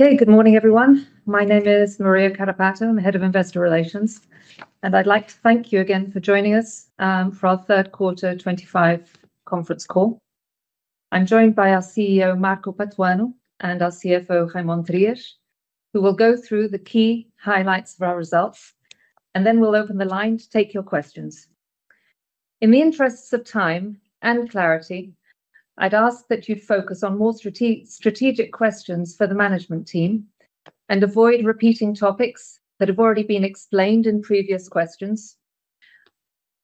Okay, good morning, everyone. My name is Maria Carrapato. I'm Head of Investor Relations, and I'd like to thank you again for joining us for our third quarter 2025 conference call. I'm joined by our CEO, Marco Patuano, and our CFO, Raimon Trias, who will go through the key highlights of our results, and then we'll open the line to take your questions. In the interests of time and clarity, I'd ask that you focus on more strategic questions for the management team and avoid repeating topics that have already been explained in previous questions.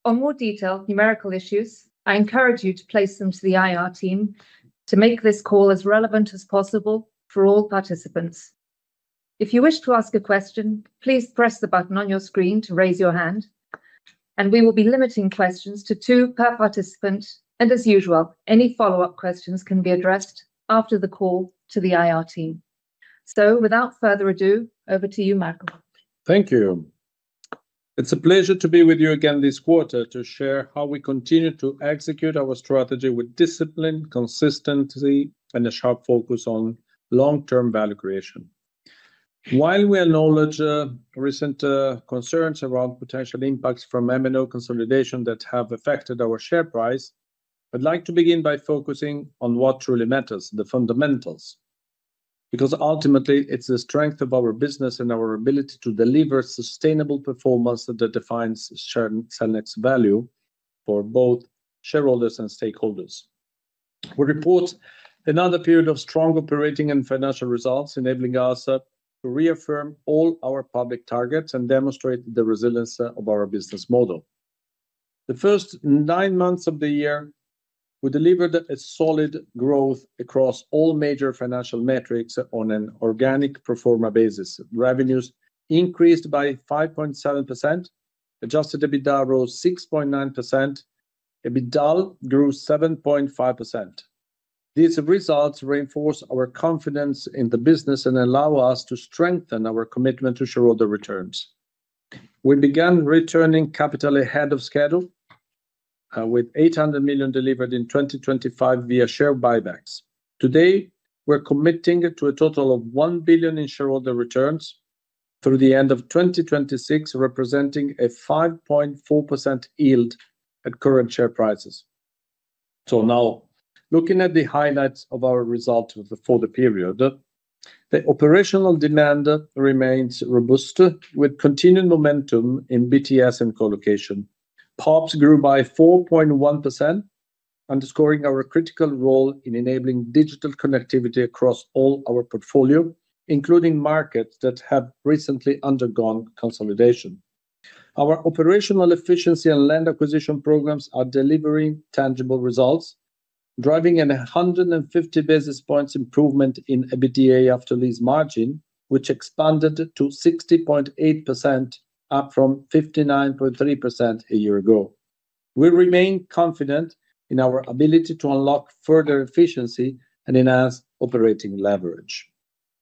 On more detailed numerical issues, I encourage you to place them to the IR team to make this call as relevant as possible for all participants. If you wish to ask a question, please press the button on your screen to raise your hand, and we will be limiting questions to two per participant. As usual, any follow-up questions can be addressed after the call to the IR team. Without further ado, over to you, Marco. Thank you. It's a pleasure to be with you again this quarter to share how we continue to execute our strategy with discipline, consistency, and a sharp focus on long-term value creation. While we acknowledge recent concerns around potential impacts from M&A consolidation that have affected our share price, I'd like to begin by focusing on what truly matters: the fundamentals. Because ultimately, it's the strength of our business and our ability to deliver sustainable performance that defines Cellnex's value for both shareholders and stakeholders. We report another period of strong operating and financial results, enabling us to reaffirm all our public targets and demonstrate the resilience of our business model. The first nine months of the year, we delivered solid growth across all major financial metrics on an organic pro forma basis. Revenues increased by 5.7%, adjusted EBITDA rose 6.9%, EBITDA grew 7.5%. These results reinforce our confidence in the business and allow us to strengthen our commitment to shareholder returns. We began returning capital ahead of schedule, with 800 million delivered in 2025 via share buybacks. Today, we're committing to a total of 1 billion in shareholder returns through the end of 2026, representing a 5.4% yield at current share prices. Now, looking at the highlights of our results for the period, the operational demand remains robust, with continued momentum in BTS and colocation. PoPs grew by 4.1%, underscoring our critical role in enabling digital connectivity across all our portfolio, including markets that have recently undergone consolidation. Our operational efficiency and land acquisition programs are delivering tangible results, driving a 150 basis points improvement in EBITDA after lease margin, which expanded to 60.8%, up from 59.3% a year ago. We remain confident in our ability to unlock further efficiency and enhance operating leverage.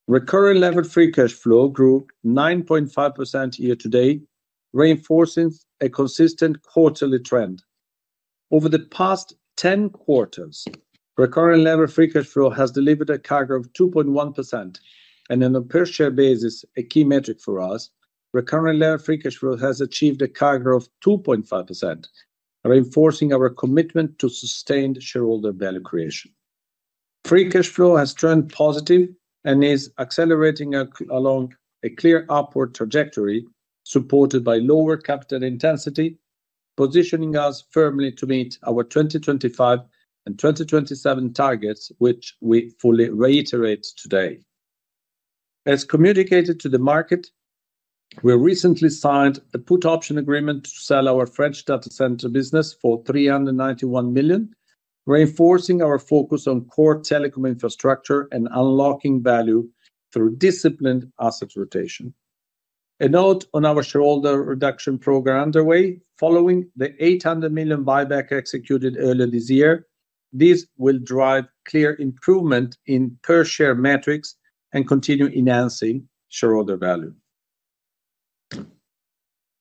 Recurring levered free cash flow grew 9.5% year to date, reinforcing a consistent quarterly trend. Over the past 10 quarters, recurring levered free cash flow has delivered a CAGR of 2.1%, and on a per-share basis, a key metric for us, recurring levered free cash flow has achieved a CAGR of 2.5%, reinforcing our commitment to sustained shareholder value creation. Free cash flow has turned positive and is accelerating along a clear upward trajectory supported by lower capital intensity, positioning us firmly to meet our 2025 and 2027 targets, which we fully reiterate today. As communicated to the market, we recently signed a put option agreement to sell our French data center business for 391 million, reinforcing our focus on core telecom infrastructure and unlocking value through disciplined asset rotation. A note on our shareholder reduction program underway: following the 800 million buyback executed earlier this year, this will drive clear improvement in per-share metrics and continue enhancing shareholder value.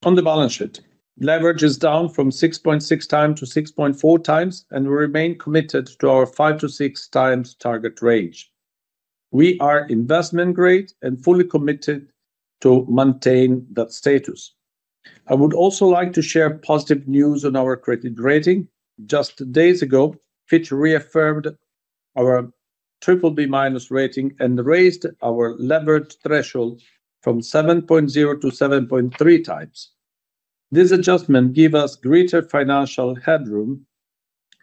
On the balance sheet, leverage is down from 6.6 times to 6.4 times, and we remain committed to our 5-6 times target range. We are investment-grade and fully committed to maintain that status. I would also like to share positive news on our credit rating. Just days ago, Fitch reaffirmed our triple B minus rating and raised our leverage threshold from 7.0 to 7.3 times. This adjustment gives us greater financial headroom.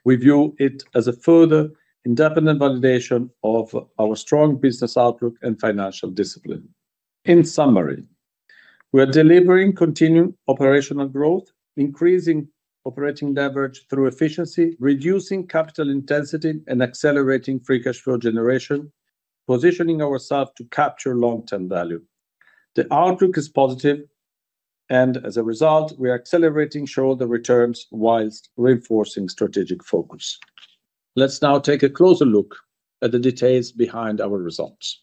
We view it as a further independent validation of our strong business outlook and financial discipline. In summary, we are delivering continued operational growth, increasing operating leverage through efficiency, reducing capital intensity, and accelerating free cash flow generation, positioning ourselves to capture long-term value. The outlook is positive, and as a result, we are accelerating shareholder returns whilst reinforcing strategic focus. Let's now take a closer look at the details behind our results.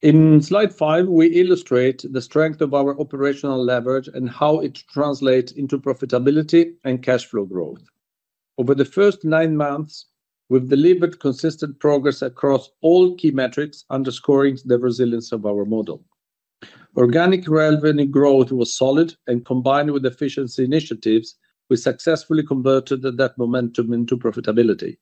In slide five, we illustrate the strength of our operational leverage and how it translates into profitability and cash flow growth. Over the first nine months, we've delivered consistent progress across all key metrics, underscoring the resilience of our model. Organic revenue growth was solid, and combined with efficiency initiatives, we successfully converted that momentum into profitability.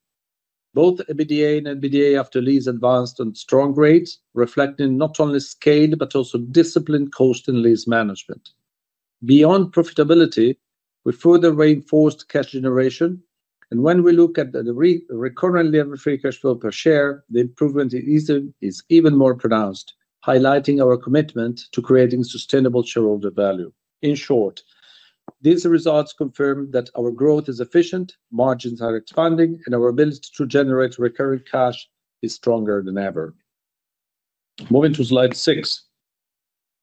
Both EBITDA and EBITDA after lease advanced on strong rates, reflecting not only scale but also disciplined cost and lease management. Beyond profitability, we further reinforced cash generation, and when we look at the recurrent leverage free cash flow per share, the improvement is even more pronounced, highlighting our commitment to creating sustainable shareholder value. In short, these results confirm that our growth is efficient, margins are expanding, and our ability to generate recurring cash is stronger than ever. Moving to slide six,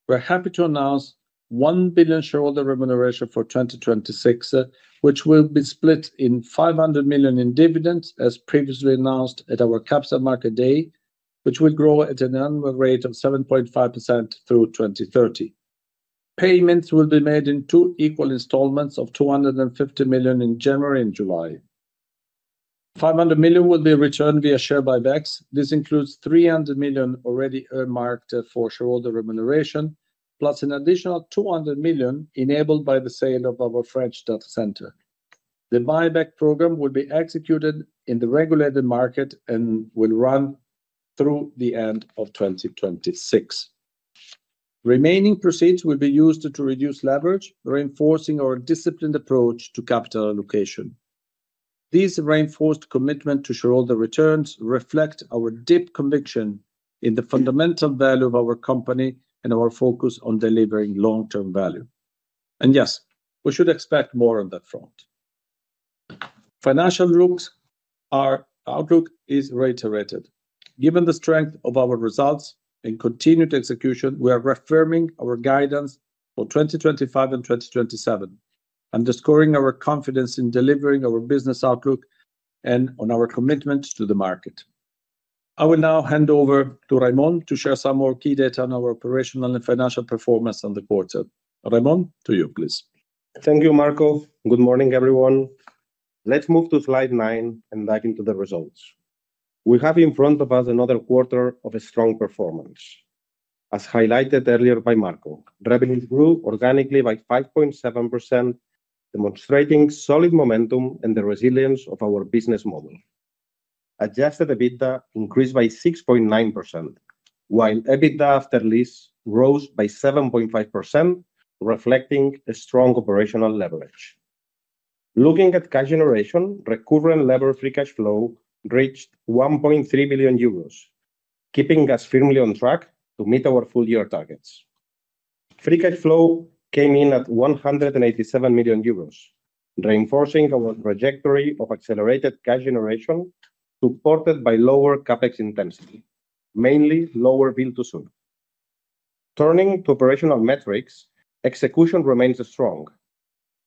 we're happy to announce 1 billion shareholder remuneration for 2026, which will be split in 500 million in dividends, as previously announced Capital Markets Day, which will grow at an annual rate of 7.5% through 2030. Payments will be made in two equal installments of 250 million in January and July. 500 million will be returned via share buybacks. This includes 300 million already earmarked for shareholder remuneration, plus an additional 200 million enabled by the sale of our French data center. The buyback program will be executed in the regulated market and will run through the end of 2026. Remaining proceeds will be used to reduce leverage, reinforcing our disciplined approach to capital allocation. These reinforced commitment to shareholder returns reflect our deep conviction in the fundamental value of our company and our focus on delivering long-term value. Yes, we should expect more on that front. Financial outlook is reiterated. Given the strength of our results and continued execution, we are reaffirming our guidance for 2025 and 2027, underscoring our confidence in delivering our business outlook and on our commitment to the market. I will now hand over to Raimon to share some more key data on our operational and financial performance on the quarter. Raimon, to you, please. Thank you, Marco. Good morning, everyone. Let's move to slide nine and dive into the results. We have in front of us another quarter of a strong performance. As highlighted earlier by Marco, revenues grew organically by 5.7%, demonstrating solid momentum and the resilience of our business model. Adjusted EBITDA increased by 6.9%, while EBITDA after lease rose by 7.5%, reflecting a strong operational leverage. Looking at cash generation, recurring levered free cash flow reached 1.3 million euros, keeping us firmly on track to meet our full year targets. Free cash flow came in at 187 million euros, reinforcing our trajectory of accelerated cash generation supported by lower CapEx intensity, mainly lower Build-to-Suit. Turning to operational metrics, execution remains strong.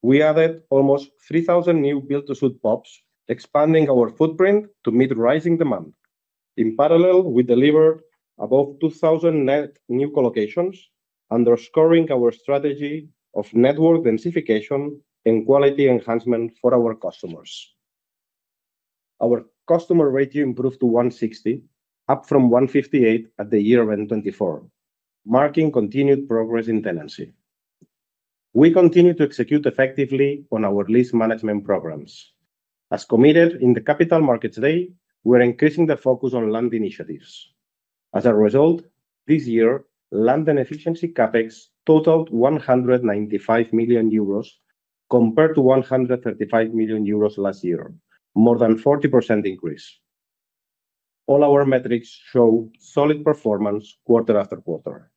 We added almost 3,000 new Build-to-Suit PoPs, expanding our footprint to meet rising demand. In parallel, we delivered above 2,000 net new colocations, underscoring our strategy of network densification and quality enhancement for our customers. Our customer rating improved to 160, up from 158 at the year-end 2024, marking continued progress in tenancy. We continue to execute effectively on our lease management programs. As committed in the capital markets today, we are increasing the focus on land initiatives. As a result, this year, land and efficiency CapEx totaled 195 million euros compared to 135 million euros last year, more than a 40% increase. All our metrics show solid performance quarter after quarter.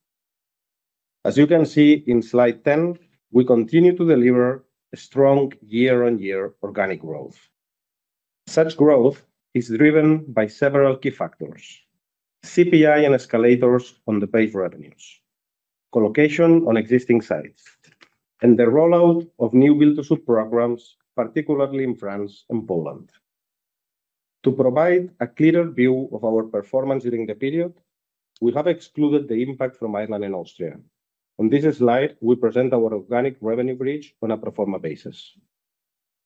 As you can see in slide 10, we continue to deliver strong year-on-year organic growth. Such growth is driven by several key factors: CPI and escalators on the paid revenues, colocation on existing sites, and the rollout of new Build-to-Suit programs, particularly in France and Poland. To provide a clearer view of our performance during the period, we have excluded the impact from Ireland and Austria. On this slide, we present our organic revenue reach on a pro forma basis.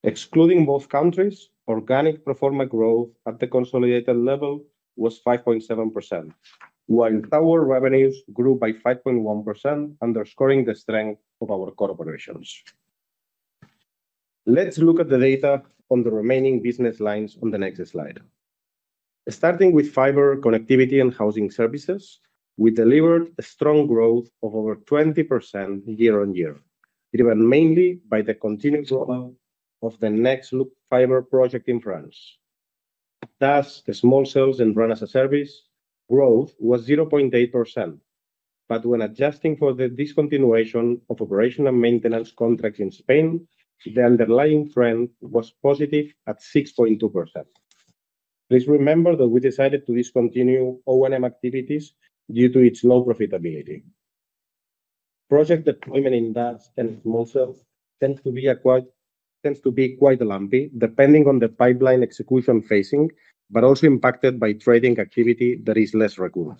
Excluding both countries, organic pro forma growth at the consolidated level was 5.7%, while our revenues grew by 5.1%, underscoring the strength of our operations. Let's look at the data on the remaining business lines on the next slide. Starting with fiber connectivity and housing services, we delivered a strong growth of over 20% year-on-year, driven mainly by the continued rollout of the NextLoop fiber project in France. Thus, the small cells and RAN services growth was 0.8%. When adjusting for the discontinuation of operational maintenance contracts in Spain, the underlying trend was positive at 6.2%. Please remember that we decided to discontinue O&M activities due to its low profitability. Project deployment in DAS and small cells tends to be quite lumpy, depending on the pipeline execution phasing, but also impacted by trading activity that is less regular.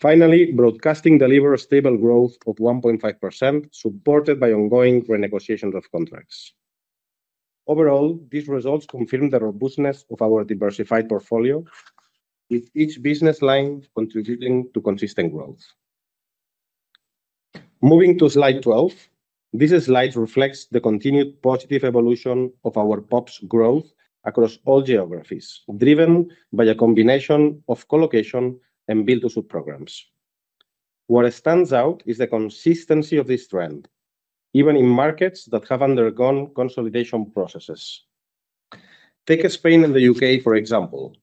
Finally, broadcasting delivered a stable growth of 1.5%, supported by ongoing renegotiations of contracts. Overall, these results confirm the robustness of our diversified portfolio, with each business line contributing to consistent growth. Moving to slide 12, this slide reflects the continued positive evolution of our PoPs growth across all geographies, driven by a combination of colocation and Build-to-Suit programs. What stands out is the consistency of this trend, even in markets that have undergone consolidation processes. Take Spain and the U.K., for example.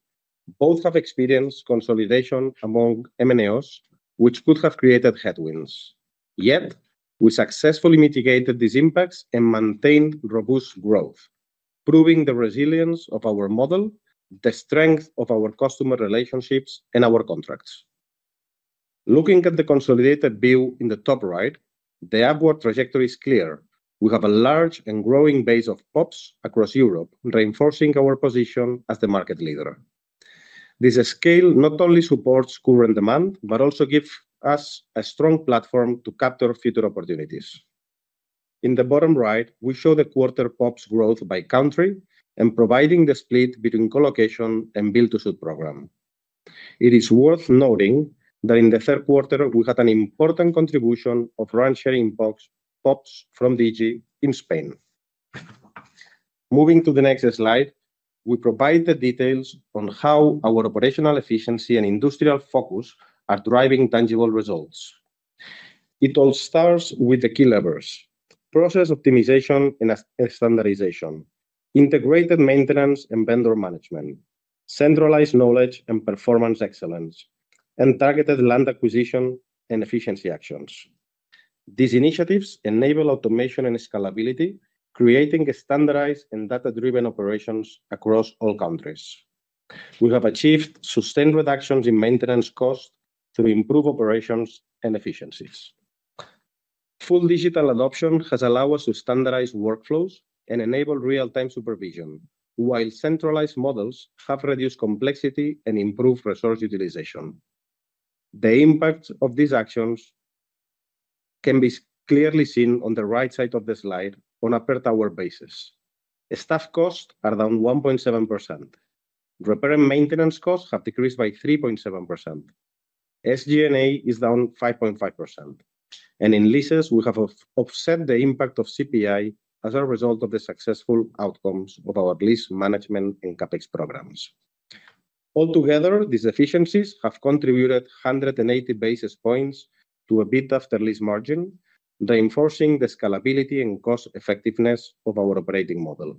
Both have experienced consolidation among M&As, which could have created headwinds. Yet, we successfully mitigated these impacts and maintained robust growth, proving the resilience of our model, the strength of our customer relationships, and our contracts. Looking at the consolidated view in the top right, the upward trajectory is clear. We have a large and growing base of PoPs across Europe, reinforcing our position as the market leader. This scale not only supports current demand, but also gives us a strong platform to capture future opportunities. In the bottom right, we show the quarter PoPs growth by country and providing the split between colocation and Build-to-Suit program. It is worth noting that in the third quarter, we had an important contribution of RAN-sharing PoPs from Digi in Spain. Moving to the next slide, we provide the details on how our operational efficiency and industrial focus are driving tangible results. It all starts with the key levers: process optimization and standardization, integrated maintenance and vendor management, centralized knowledge and performance excellence, and targeted land acquisition and efficiency actions. These initiatives enable automation and scalability, creating standardized and data-driven operations across all countries. We have achieved sustained reductions in maintenance costs to improve operations and efficiencies. Full digital adoption has allowed us to standardize workflows and enable real-time supervision, while centralized models have reduced complexity and improved resource utilization. The impact of these actions can be clearly seen on the right side of the slide on a per-hour basis. Staff costs are down 1.7%. Repair and maintenance costs have decreased by 3.7%. SG&A is down 5.5%. In leases, we have offset the impact of CPI as a result of the successful outcomes of our lease management and CapEx programs. Altogether, these efficiencies have contributed 180 basis points to a EBITDA after lease margin, reinforcing the scalability and cost-effectiveness of our operating model.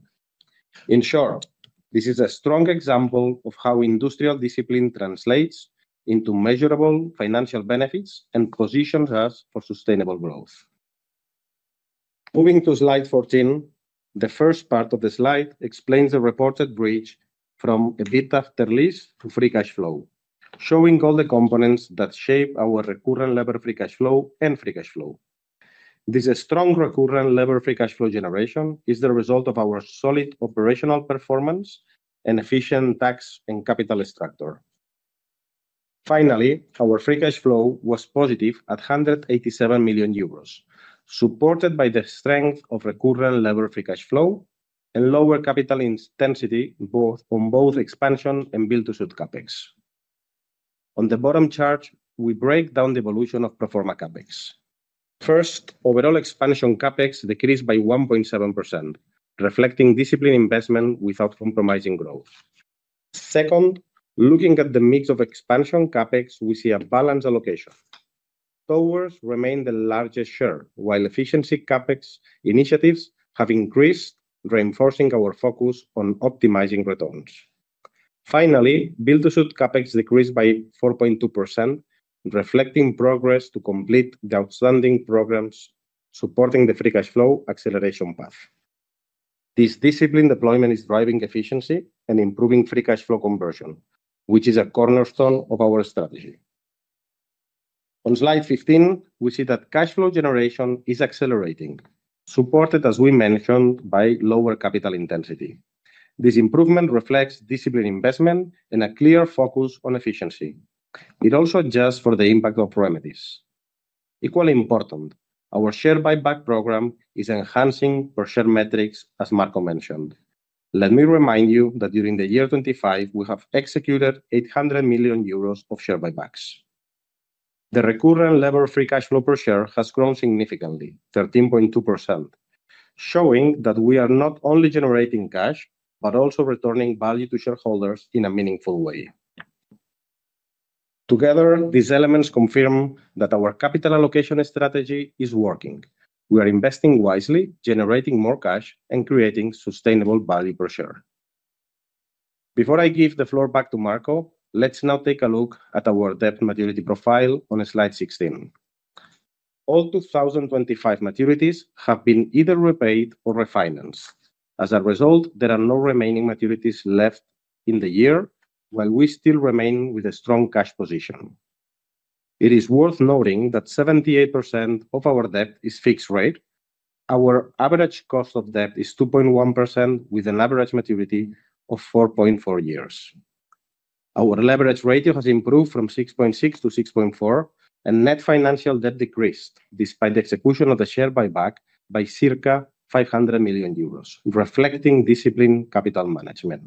In short, this is a strong example of how industrial discipline translates into measurable financial benefits and positions us for sustainable growth. Moving to slide 14, the first part of the slide explains the reported bridge from EBITDA after lease to free cash flow, showing all the components that shape our recurring levered free cash flow and free cash flow. This strong recurring levered free cash flow generation is the result of our solid operational performance and efficient tax and capital structure. Finally, our free cash flow was positive at 187 million euros, supported by the strength of recurring levered free cash flow and lower capital intensity both on expansion and Build-to-Suit CapEx. On the bottom chart, we break down the evolution of pro forma CapEx. First, overall expansion CapEx decreased by 1.7%, reflecting disciplined investment without compromising growth. Second, looking at the mix of expansion CapEx, we see a balanced allocation. Towers remain the largest share, while efficiency CapEx initiatives have increased, reinforcing our focus on optimizing returns. Finally, Build-to-Suit CapEx decreased by 4.2%, reflecting progress to complete the outstanding programs supporting the free cash flow acceleration path. This disciplined deployment is driving efficiency and improving free cash flow conversion, which is a cornerstone of our strategy. On slide 15, we see that cash flow generation is accelerating, supported, as we mentioned, by lower capital intensity. This improvement reflects disciplined investment and a clear focus on efficiency. It also adjusts for the impact of remedies. Equally important, our share buyback program is enhancing per-share metrics, as Marco mentioned. Let me remind you that during the year 2025, we have executed 800 million euros of share buybacks. The recurring levered free cash flow per share has grown significantly, 13.2%, showing that we are not only generating cash, but also returning value to shareholders in a meaningful way. Together, these elements confirm that our capital allocation strategy is working. We are investing wisely, generating more cash, and creating sustainable value per share. Before I give the floor back to Marco, let's now take a look at our debt maturity profile on slide 16. All 2025 maturities have been either repaid or refinanced. As a result, there are no remaining maturities left in the year, while we still remain with a strong cash position. It is worth noting that 78% of our debt is fixed rate. Our average cost of debt is 2.1%, with an average maturity of 4.4 years. Our leverage ratio has improved from 6.6 to 6.4, and net financial debt decreased despite the execution of the share buyback by circa 500 million euros, reflecting disciplined capital management.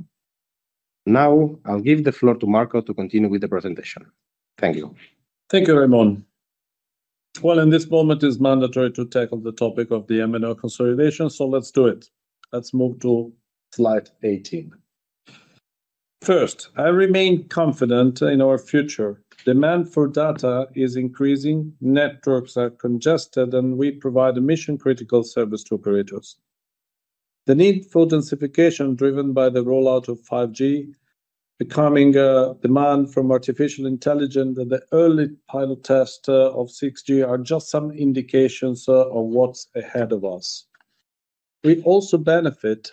Now, I'll give the floor to Marco to continue with the presentation. Thank you. Thank you, Raimon. At this moment, it is mandatory to tackle the topic of the M&A consolidation, so let's do it. Let's move to slide 18. First, I remain confident in our future. Demand for data is increasing, networks are congested, and we provide a mission-critical service to operators. The need for densification, driven by the rollout of 5G, becoming a demand from artificial intelligence, and the early pilot tests of 6G are just some indications of what is ahead of us. We also benefit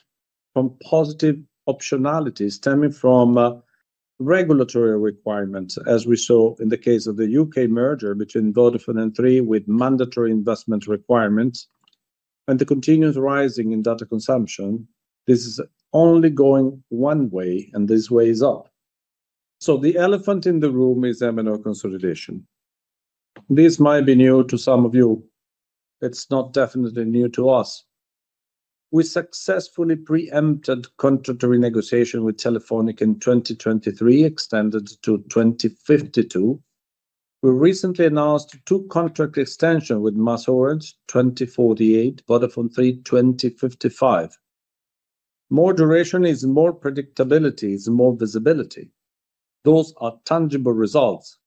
from positive optionalities stemming from regulatory requirements, as we saw in the case of the U.K. merger between Vodafone and Three, with mandatory investment requirements, and the continuous rising in data consumption. This is only going one way, and this way is up. The elephant in the room is M&A consolidation. This might be new to some of you. It's not definitely new to us. We successfully preempted contract renegotiation with Telefónica in 2023, extended to 2052. We recently announced two contract extensions with MásOrange, 2048, Vodafone Three, 2055. More duration is more predictability, is more visibility. Those are tangible results.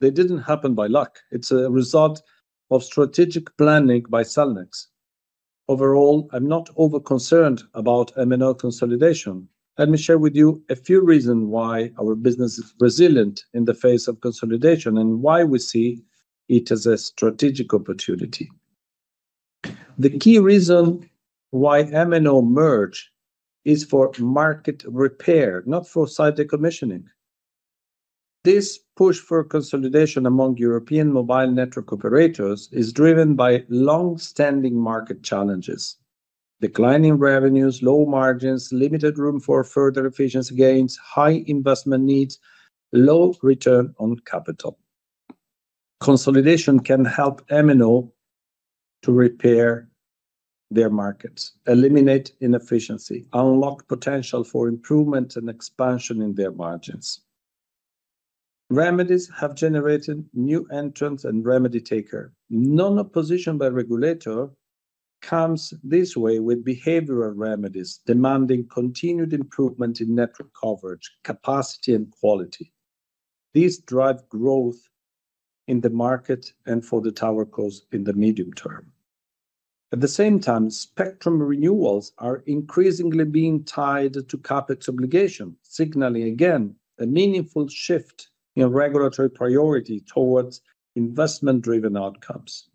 They didn't happen by luck. It's a result of strategic planning by Cellnex. Overall, I'm not overconcerned about M&A consolidation. Let me share with you a few reasons why our business is resilient in the face of consolidation and why we see it as a strategic opportunity. The key reason why M&A merge is for market repair, not for site decommissioning. This push for consolidation among European mobile network operators is driven by long-standing market challenges: declining revenues, low margins, limited room for further efficiency gains, high investment needs, low return on capital. Consolidation can help M&A to repair their markets, eliminate inefficiency, unlock potential for improvement and expansion in their margins. Remedies have generated new entrants and remedy takers. Non-opposition by regulator comes this way with behavioral remedies demanding continued improvement in network coverage, capacity, and quality. These drive growth in the market and for the tower costs in the medium term. At the same time, spectrum renewals are increasingly being tied to CapEx obligations, signaling again a meaningful shift in regulatory priority towards investment-driven outcomes.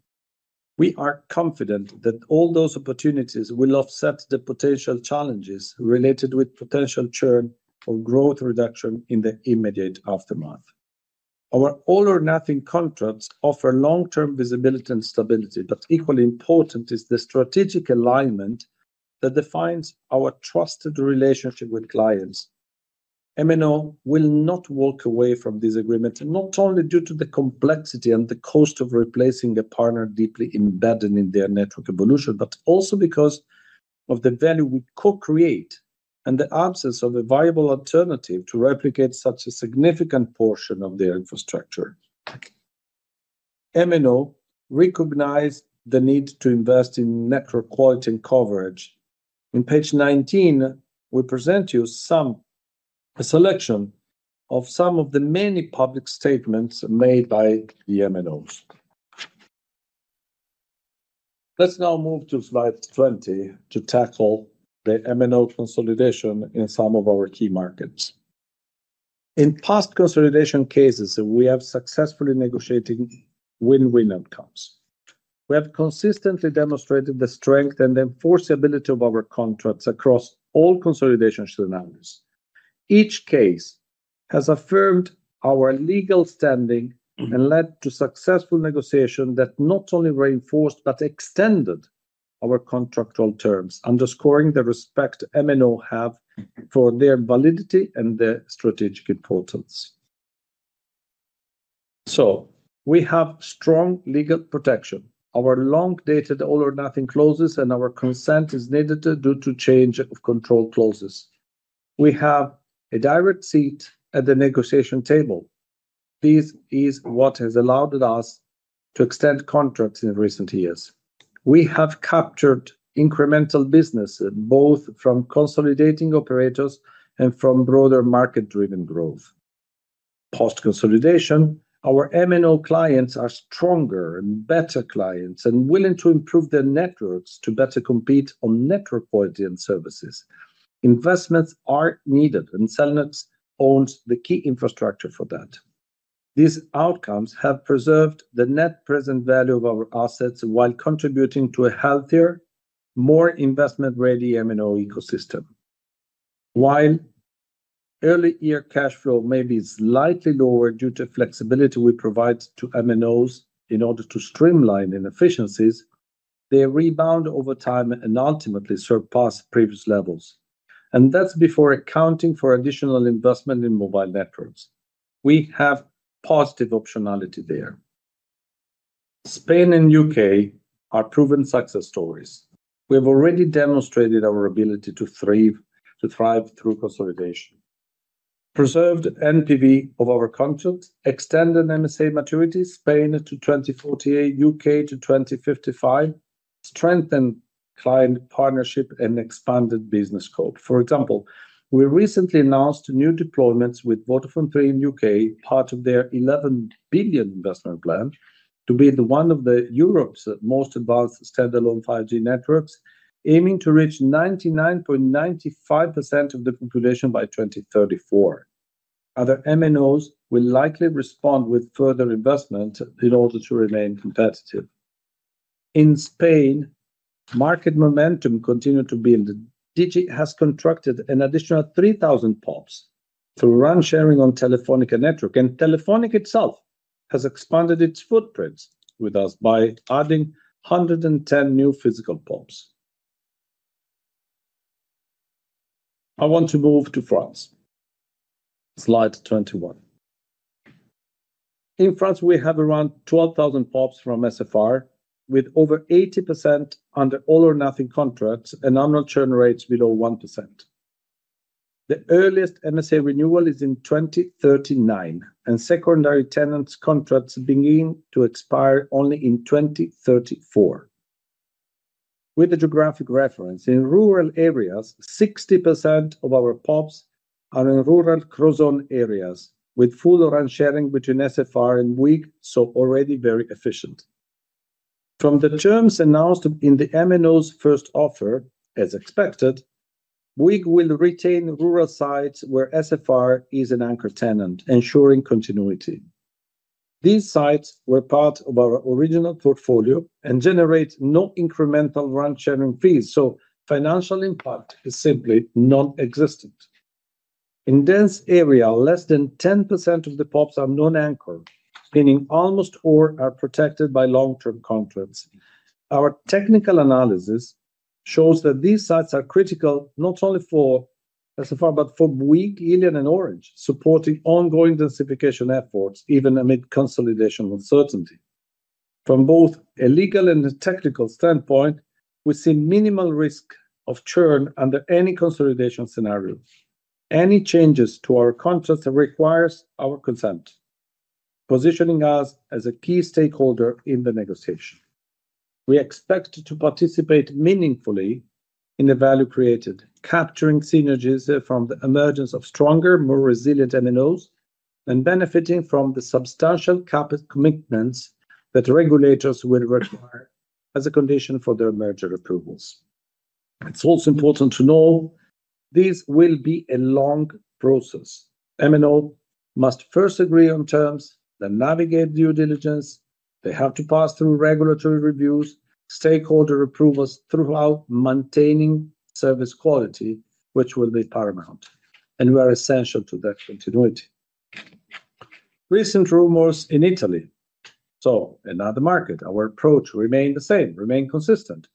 We are confident that all those opportunities will offset the potential challenges related with potential churn or growth reduction in the immediate aftermath. Our All-or-Nothing Contracts offer long-term visibility and stability, but equally important is the strategic alignment that defines our trusted relationship with clients. M&A will not walk away from this agreement, not only due to the complexity and the cost of replacing a partner deeply embedded in their network evolution, but also because of the value we co-create and the absence of a viable alternative to replicate such a significant portion of their infrastructure. M&A recognized the need to invest in network quality and coverage. On page 19, we present you a selection of some of the many public statements made by the M&As. Let's now move to slide 20 to tackle the M&A consolidation in some of our key markets. In past consolidation cases, we have successfully negotiated win-win outcomes. We have consistently demonstrated the strength and enforceability of our contracts across all consolidation scenarios. Each case has affirmed our legal standing and led to successful negotiations that not only reinforced but extended our contractual terms, underscoring the respect M&A have for their validity and their strategic importance. We have strong legal protection. Our long-dated all-or-nothing clauses and our consent is needed due to change of control clauses. We have a direct seat at the negotiation table. This is what has allowed us to extend contracts in recent years. We have captured incremental business, both from consolidating operators and from broader market-driven growth. Post-consolidation, our M&A clients are stronger and better clients and willing to improve their networks to better compete on network quality and services. Investments are needed, and Cellnex owns the key infrastructure for that. These outcomes have preserved the net present value of our assets while contributing to a healthier, more investment-ready M&A ecosystem. While early-year cash flow may be slightly lower due to flexibility we provide to M&As in order to streamline inefficiencies, they rebound over time and ultimately surpass previous levels. That is before accounting for additional investment in mobile networks. We have positive optionality there. Spain and U.K. are proven success stories. We have already demonstrated our ability to thrive through consolidation. Preserved NPV of our contracts, extended MSA maturities Spain to 2048, U.K. to 2055, strengthened client partnership, and expanded business scope. For example, we recently announced new deployments with Vodafone Three in U.K., part of their 11 billion investment plan, to be one of Europe's most advanced standalone 5G networks, aiming to reach 99.95% of the population by 2034. Other M&As will likely respond with further investment in order to remain competitive. In Spain, market momentum continued to build. Digi has constructed an additional 3,000 PoPs through RAN-sharing on Telefónica and network, and Telefónica itself has expanded its footprint with us by adding 110 new physical PoPs. I want to move to France. Slide 21. In France, we have around 12,000 PoPs from SFR, with over 80% under All-or-Nothing Contracts and annual churn rates below 1%. The earliest MSA renewal is in 2039, and secondary tenants' contracts begin to expire only in 2034. With a geographic reference, in rural areas, 60% of our PoPs are in rural crozone areas, with full RAN-sharing between SFR and Free, so already very efficient. From the terms announced in the M&A's first offer, as expected, Free will retain rural sites where SFR is an anchor tenant, ensuring continuity. These sites were part of our original portfolio and generate no incremental RAN-sharing fees, so financial impact is simply non-existent. In dense areas, less than 10% of the PoPs are non-anchor, meaning almost all are protected by long-term contracts. Our technical analysis shows that these sites are critical not only for SFR but for Free, Iliad, and Orange, supporting ongoing densification efforts even amid consolidation uncertainty. From both a legal and a technical standpoint, we see minimal risk of churn under any consolidation scenario. Any changes to our contracts require our consent, positioning us as a key stakeholder in the negotiation. We expect to participate meaningfully in the value created, capturing synergies from the emergence of stronger, more resilient M&As and benefiting from the substantial CapEx commitments that regulators will require as a condition for their merger approvals. It is also important to know this will be a long process. M&A must first agree on terms, then navigate due diligence. They have to pass through regulatory reviews, stakeholder approvals throughout, maintaining service quality, which will be paramount. We are essential to that continuity. Recent rumors in Italy. Another market. Our approach remains the same, remains consistent.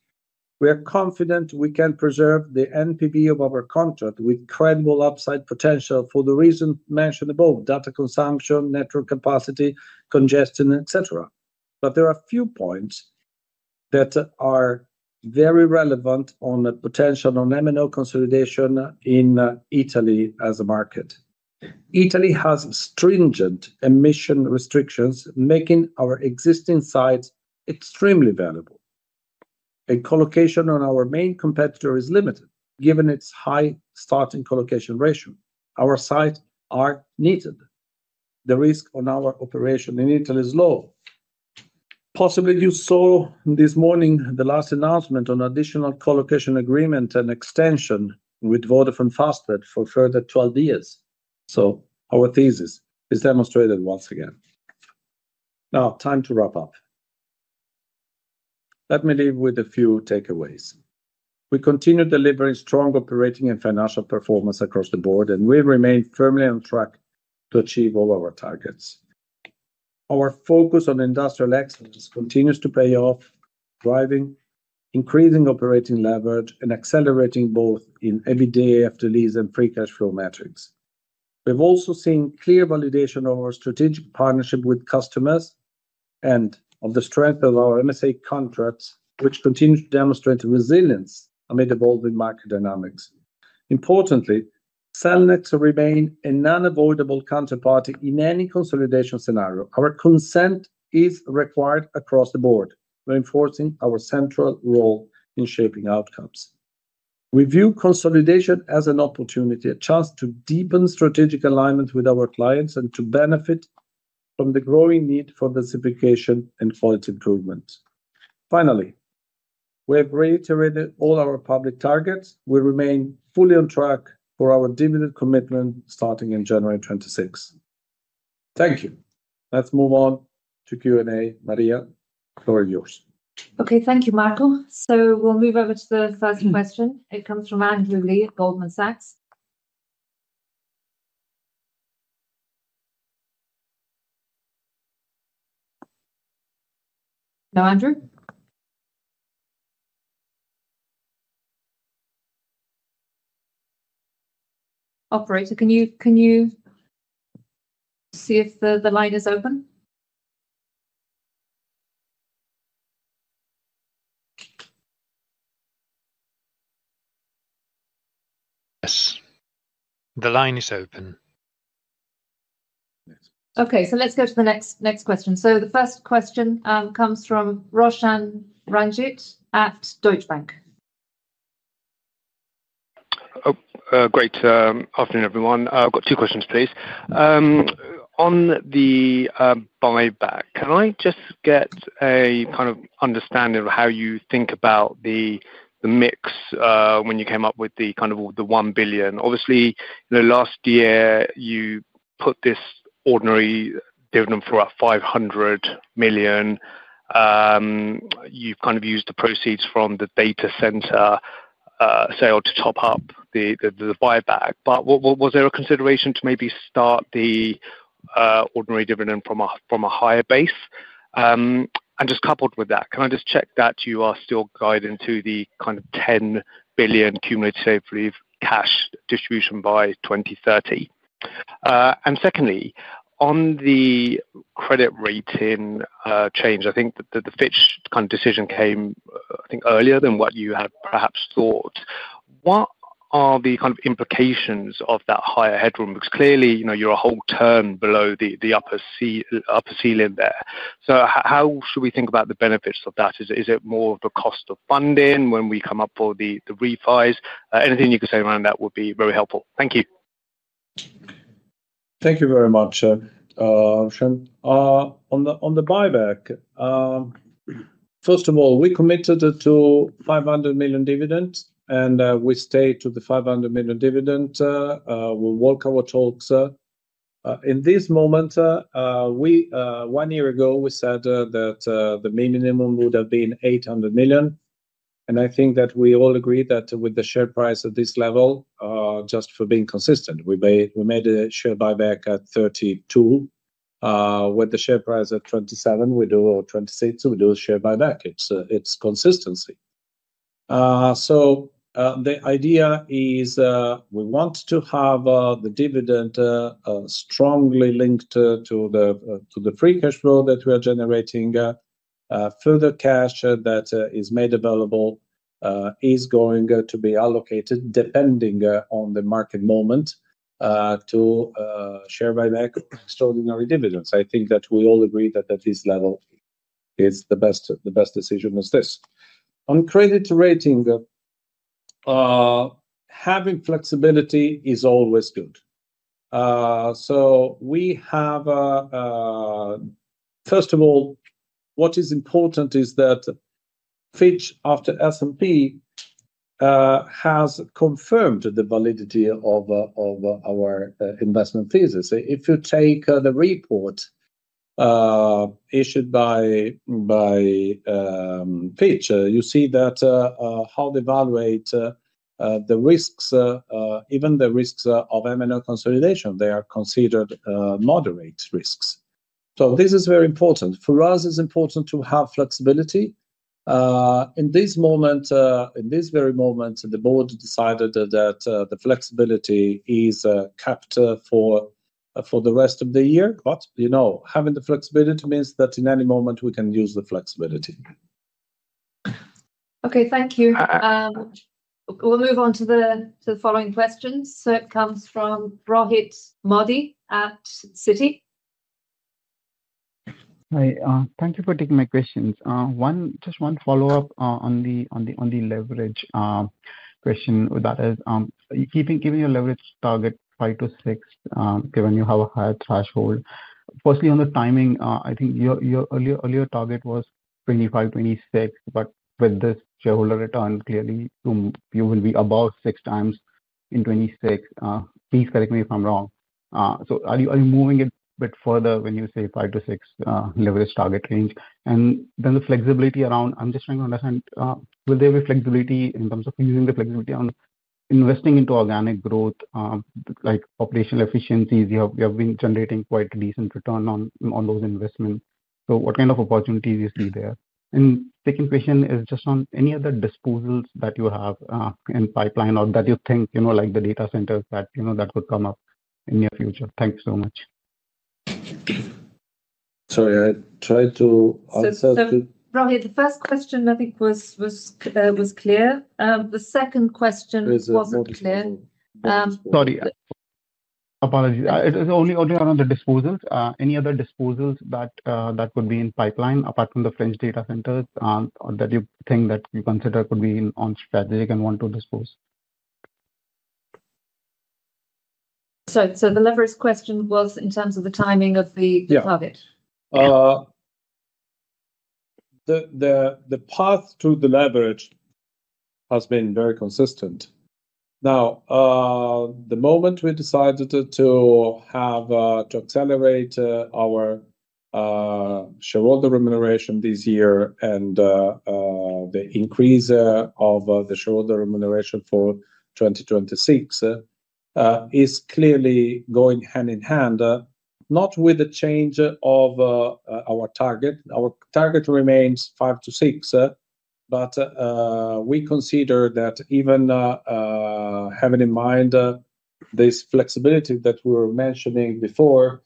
We are confident we can preserve the NPV of our contract with credible upside potential for the reasons mentioned above: data consumption, network capacity, congestion, etc. There are a few points that are very relevant on the potential non-M&A consolidation in Italy as a market. Italy has stringent emission restrictions, making our existing sites extremely valuable. A colocation on our main competitor is limited, given its high starting colocation ratio. Our sites are needed. The risk on our operation in Italy is low. Possibly, you saw this morning the last announcement on an additional colocation agreement and extension with Vodafone Fastweb for a further 12 years. Our thesis is demonstrated once again. Now, time to wrap up. Let me leave with a few takeaways. We continue delivering strong operating and financial performance across the board, and we remain firmly on track to achieve all our targets. Our focus on industrial excellence continues to pay off, driving increasing operating leverage and accelerating both in everyday after-lease and free cash flow metrics. We've also seen clear validation of our strategic partnership with customers and of the strength of our MSA contracts, which continue to demonstrate resilience amid evolving market dynamics. Importantly, Cellnex remains a non-avoidable counterparty in any consolidation scenario. Our consent is required across the board, reinforcing our central role in shaping outcomes. We view consolidation as an opportunity, a chance to deepen strategic alignment with our clients and to benefit from the growing need for densification and quality improvement. Finally, we have reiterated all our public targets. We remain fully on track for our dividend commitment starting in January 2026. Thank you. Let's move on to Q&A, Maria. The floor is yours. Okay, thank you, Marco. We will move over to the first question. It comes from Andrew Lee at Goldman Sachs. Hello, Andrew. Operator, can you see if the line is open? Yes. The line is open. Okay, let's go to the next question. The first question comes from Roshan Ranjit at Deutsche Bank. Great. Afternoon, everyone. I've got two questions, please. On the buyback, can I just get a kind of understanding of how you think about the mix when you came up with the kind of the 1 billion? Obviously, last year, you put this ordinary dividend for about 500 million. You've kind of used the proceeds from the data center sale to top up the buyback. Was there a consideration to maybe start the ordinary dividend from a higher base? Coupled with that, can I just check that you are still guided to the kind of 10 billion cumulative cash distribution by 2030? Secondly, on the credit rating change, I think that the Fitch decision came, I think, earlier than what you had perhaps thought. What are the implications of that higher headroom? Clearly, you're a whole turn below the upper ceiling there. How should we think about the benefits of that? Is it more of a cost of funding when we come up for the refis? Anything you could say around that would be very helpful. Thank you. Thank you very much, Roshan. On the buyback, first of all, we committed to 500 million dividends, and we stayed to the 500 million dividend. We'll walk our talks. In this moment, one year ago, we said that the minimum would have been 800 million. And I think that we all agree that with the share price at this level, just for being consistent, we made a share buyback at 32. With the share price at 27, we do or 26, we do a share buyback. It's consistency. The idea is we want to have the dividend strongly linked to the free cash flow that we are generating. Further cash that is made available is going to be allocated, depending on the market moment, to share buyback, extraordinary dividends. I think that we all agree that at this level, it's the best decision as this. On credit rating, having flexibility is always good. First of all, what is important is that Fitch, after S&P, has confirmed the validity of our investment thesis. If you take the report issued by Fitch, you see how they evaluate the risks, even the risks of M&A consolidation. They are considered moderate risks. This is very important. For us, it is important to have flexibility. In this moment, in this very moment, the board decided that the flexibility is capped for the rest of the year. Having the flexibility means that in any moment, we can use the flexibility. Okay, thank you. We will move on to the following questions. It comes from Rohit Modi at Citi. Hi, thank you for taking my questions. Just one follow-up on the leverage question with that. Keeping your leverage target 5-6, given you have a higher threshold. Firstly, on the timing, I think your earlier target was 2025, 2026, but with this shareholder return, clearly, you will be above six times in 2026. Please correct me if I'm wrong. So are you moving it a bit further when you say 5-6 leverage target range? And then the flexibility around, I'm just trying to understand, will there be flexibility in terms of using the flexibility on investing into organic growth, like operational efficiencies? You have been generating quite a decent return on those investments. So what kind of opportunities you see there? And second question is just on any other disposals that you have in pipeline or that you think, like the data centers, that could come up in the future. Thank you so much. Sorry, I tried to answer two. Rohit, the first question, I think, was clear. The second question was not clear. Sorry. Apologies. Only on the disposals. Any other disposals that could be in pipeline apart from the French data centers that you think that you consider could be on strategic and want to dispose? The leverage question was in terms of the timing of the target. The path to the leverage has been very consistent. Now, the moment we decided to accelerate our shareholder remuneration this year and the increase of the shareholder remuneration for 2026 is clearly going hand in hand, not with the change of our target. Our target remains 5-6, but we consider that even having in mind this flexibility that we were mentioning before,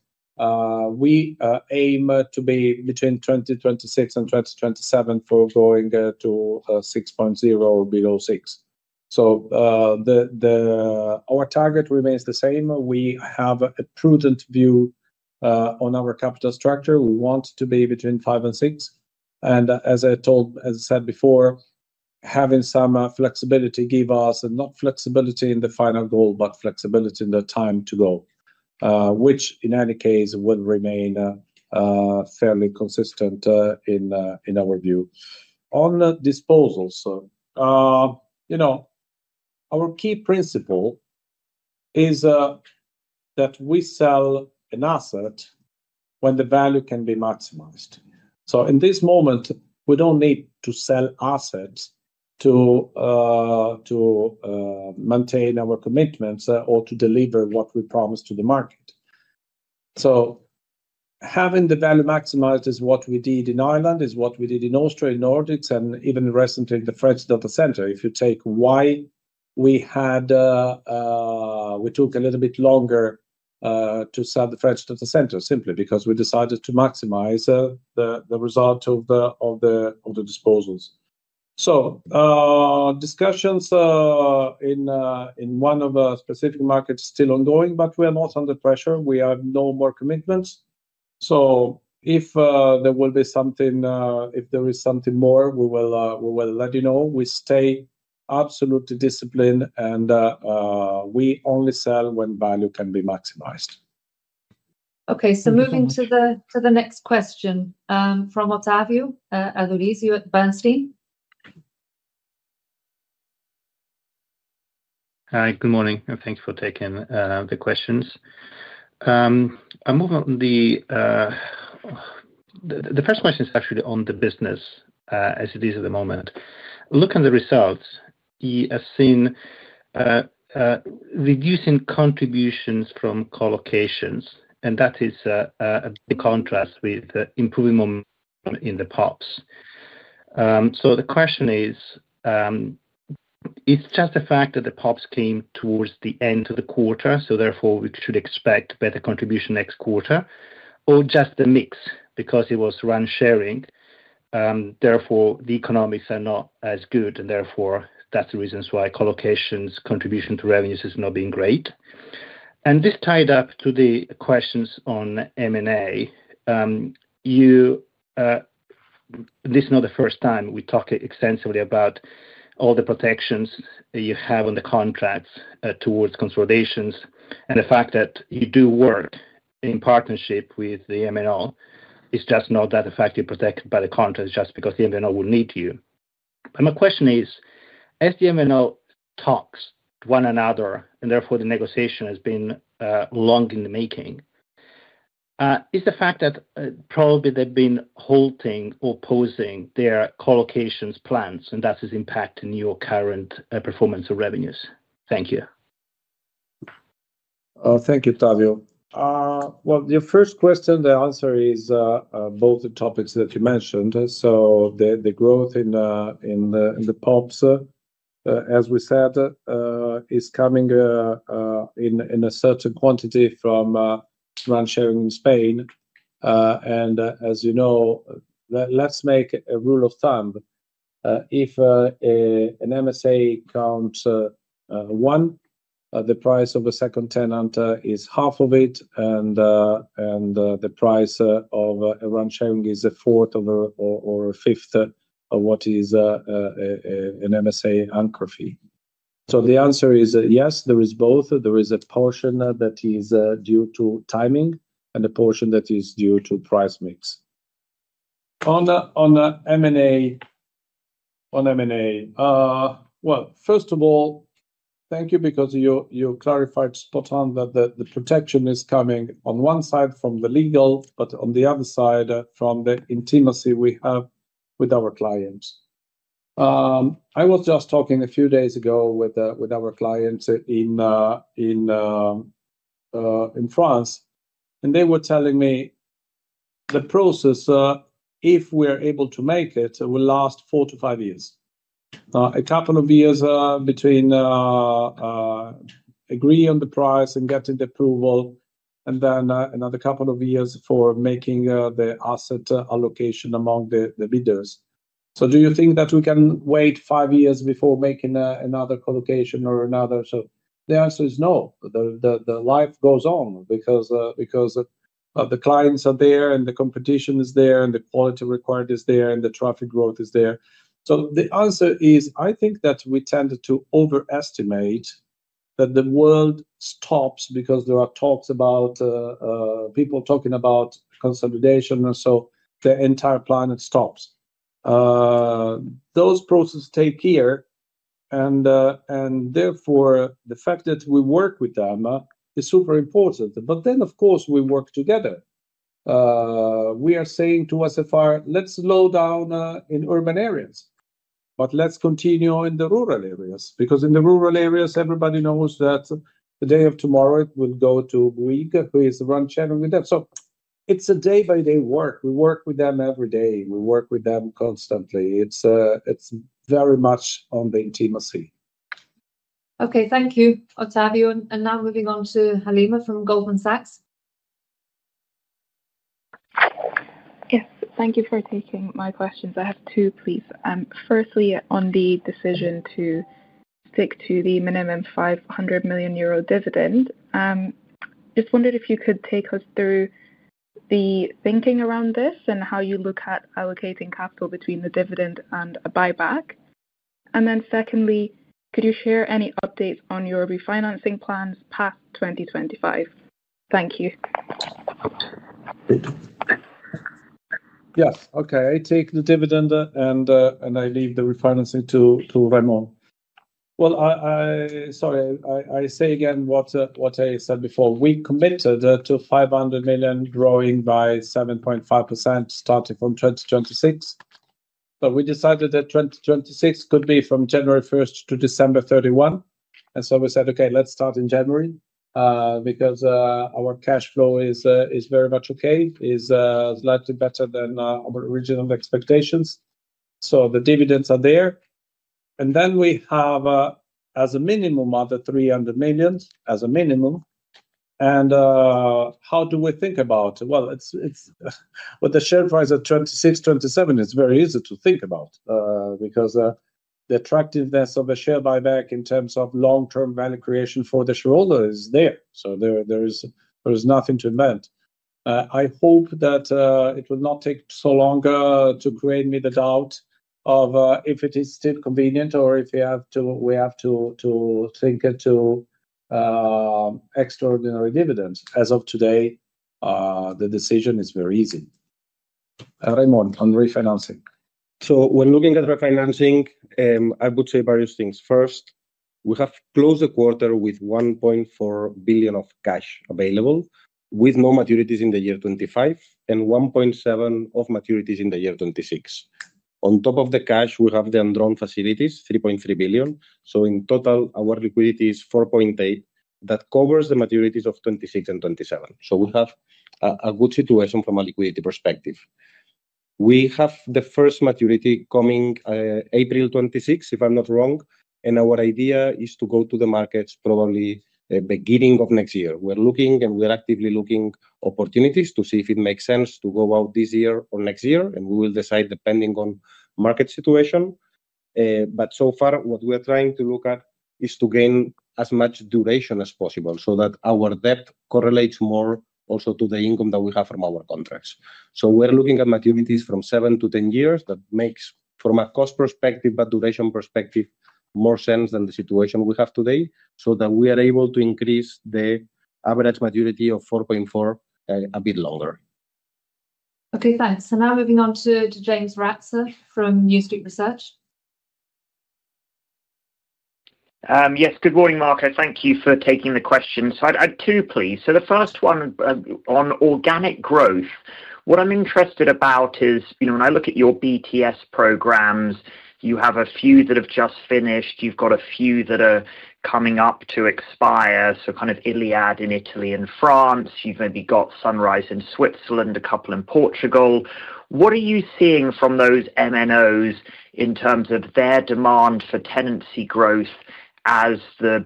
we aim to be between 2026 and 2027 for going to 6.0 or below 6. Our target remains the same. We have a prudent view on our capital structure. We want to be between 5 and 6. As I said before, having some flexibility gives us not flexibility in the final goal, but flexibility in the time to go, which in any case will remain fairly consistent in our view. On disposals, our key principle is that we sell an asset when the value can be maximized. In this moment, we do not need to sell assets to maintain our commitments or to deliver what we promised to the market. Having the value maximized is what we did in Ireland, is what we did in Austria, in Nordics, and even recently in the French data center. If you take why we took a little bit longer to sell the French data center, it is simply because we decided to maximize the result of the disposals. Discussions in one of our specific markets are still ongoing, but we are not under pressure. We have no more commitments. If there will be something, if there is something more, we will let you know. We stay absolutely disciplined, and we only sell when value can be maximized. Okay, moving to the next question from Ottavio Adorisio at Bernstein. Hi, good morning. Thanks for taking the questions. Moving on, the first question is actually on the business as it is at the moment. Looking at the results, I've seen reducing contributions from colocation, and that is a big contrast with improving momentum in the PoPs. The question is, is it just the fact that the PoPs came towards the end of the quarter, so therefore we should expect better contribution next quarter, or just the mix because it was RAN-sharing? Therefore, the economics are not as good, and therefore that's the reason why colocation's contribution to revenues is not being great. This tied up to the questions on M&A. This is not the first time we talk extensively about all the protections you have on the contracts towards consolidations, and the fact that you do work in partnership with the MNO is just not that effectively protected by the contracts just because the MNO will need you. My question is, as the MNO talks to one another, and therefore the negotiation has been long in the making, is the fact that probably they've been halting or pausing their colocation plans, and that is impacting your current performance of revenues? Thank you. Thank you, Ottavio. Your first question, the answer is both the topics that you mentioned. The growth in the PoPs, as we said, is coming in a certain quantity from RAN-sharing in Spain. As you know, let's make a rule of thumb. If an MSA counts one, the price of a second tenant is half of it, and the price of a RAN-sharing is a fourth or a fifth of what is an MSA anchor fee. The answer is yes, there is both. There is a portion that is due to timing and a portion that is due to price mix. On M&A, first of all, thank you because you clarified spot on that the protection is coming on one side from the legal, but on the other side from the intimacy we have with our clients. I was just talking a few days ago with our clients in France, and they were telling me the process, if we are able to make it, will last four to five years. A couple of years between agreeing on the price and getting the approval, and then another couple of years for making the asset allocation among the bidders. Do you think that we can wait five years before making another colocation or another? The answer is no. Life goes on because the clients are there and the competition is there and the quality required is there and the traffic growth is there. The answer is, I think that we tend to overestimate that the world stops because there are talks about people talking about consolidation, and the entire planet stops. Those processes take a year, and therefore, the fact that we work with them is super important. Of course, we work together. We are saying to SFR, let's slow down in urban areas, but let's continue in the rural areas because in the rural areas, everybody knows that the day of tomorrow, it will go to Bouygues, who is ran sharing with them. It is a day-by-day work. We work with them every day. We work with them constantly. It is very much on the intimacy. Okay, thank you, Ottavio. Now moving on to Halima from Goldman Sachs. Yes, thank you for taking my questions. I have two, please. Firstly, on the decision to stick to the minimum 500 million euro dividend, just wondered if you could take us through the thinking around this and how you look at allocating capital between the dividend and a buyback. Secondly, could you share any updates on your refinancing plans past 2025? Thank you. Yes, okay, I take the dividend and I leave the refinancing to Raimon. Sorry, I say again what I said before. We committed to 500 million growing by 7.5% starting from 2026. We decided that 2026 could be from January 1 to December 31. We said, okay, let's start in January because our cash flow is very much okay, is slightly better than our original expectations. The dividends are there. We have, as a minimum, other 300 million as a minimum. How do we think about it? With the share price at 26-27, it's very easy to think about because the attractiveness of a share buyback in terms of long-term value creation for the shareholder is there. There is nothing to invent. I hope that it will not take so long to create me the doubt of if it is still convenient or if we have to think into extraordinary dividends. As of today, the decision is very easy. Raimon, on refinancing. We are looking at refinancing. I would say various things. First, we have closed the quarter with 1.4 billion of cash available with no maturities in the year 2025 and 1.7 billion of maturities in the year 2026. On top of the cash, we have the environmental facilities, 3.3 billion. In total, our liquidity is 4.8 billion that covers the maturities of 2026 and 2027. We have a good situation from a liquidity perspective. We have the first maturity coming April 2026, if I am not wrong, and our idea is to go to the markets probably beginning of next year. We're looking and we're actively looking for opportunities to see if it makes sense to go out this year or next year, and we will decide depending on market situation. So far, what we are trying to look at is to gain as much duration as possible so that our debt correlates more also to the income that we have from our contracts. We're looking at maturities from 7-10 years that makes, from a cost perspective but duration perspective, more sense than the situation we have today so that we are able to increase the average maturity of 4.4 a bit longer. Okay, thanks. Now moving on to James Raxa from New Street Research. Yes, good morning, Marco. Thank you for taking the question. I had two, please. The first one on organic growth. What I'm interested about is, when I look at your BTS programs, you have a few that have just finished. You've got a few that are coming up to expire, so kind of Iliad in Italy and France. You've maybe got Sunrise in Switzerland, a couple in Portugal. What are you seeing from those MNOs in terms of their demand for tenancy growth as the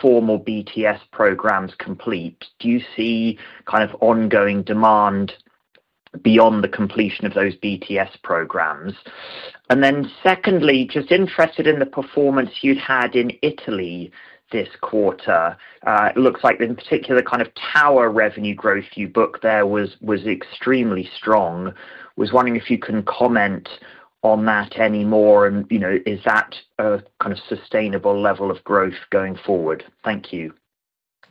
formal BTS programs complete? Do you see kind of ongoing demand beyond the completion of those BTS programs? Secondly, just interested in the performance you'd had in Italy this quarter. It looks like in particular, kind of tower revenue growth you booked there was extremely strong. I was wondering if you can comment on that anymore, and is that a kind of sustainable level of growth going forward? Thank you.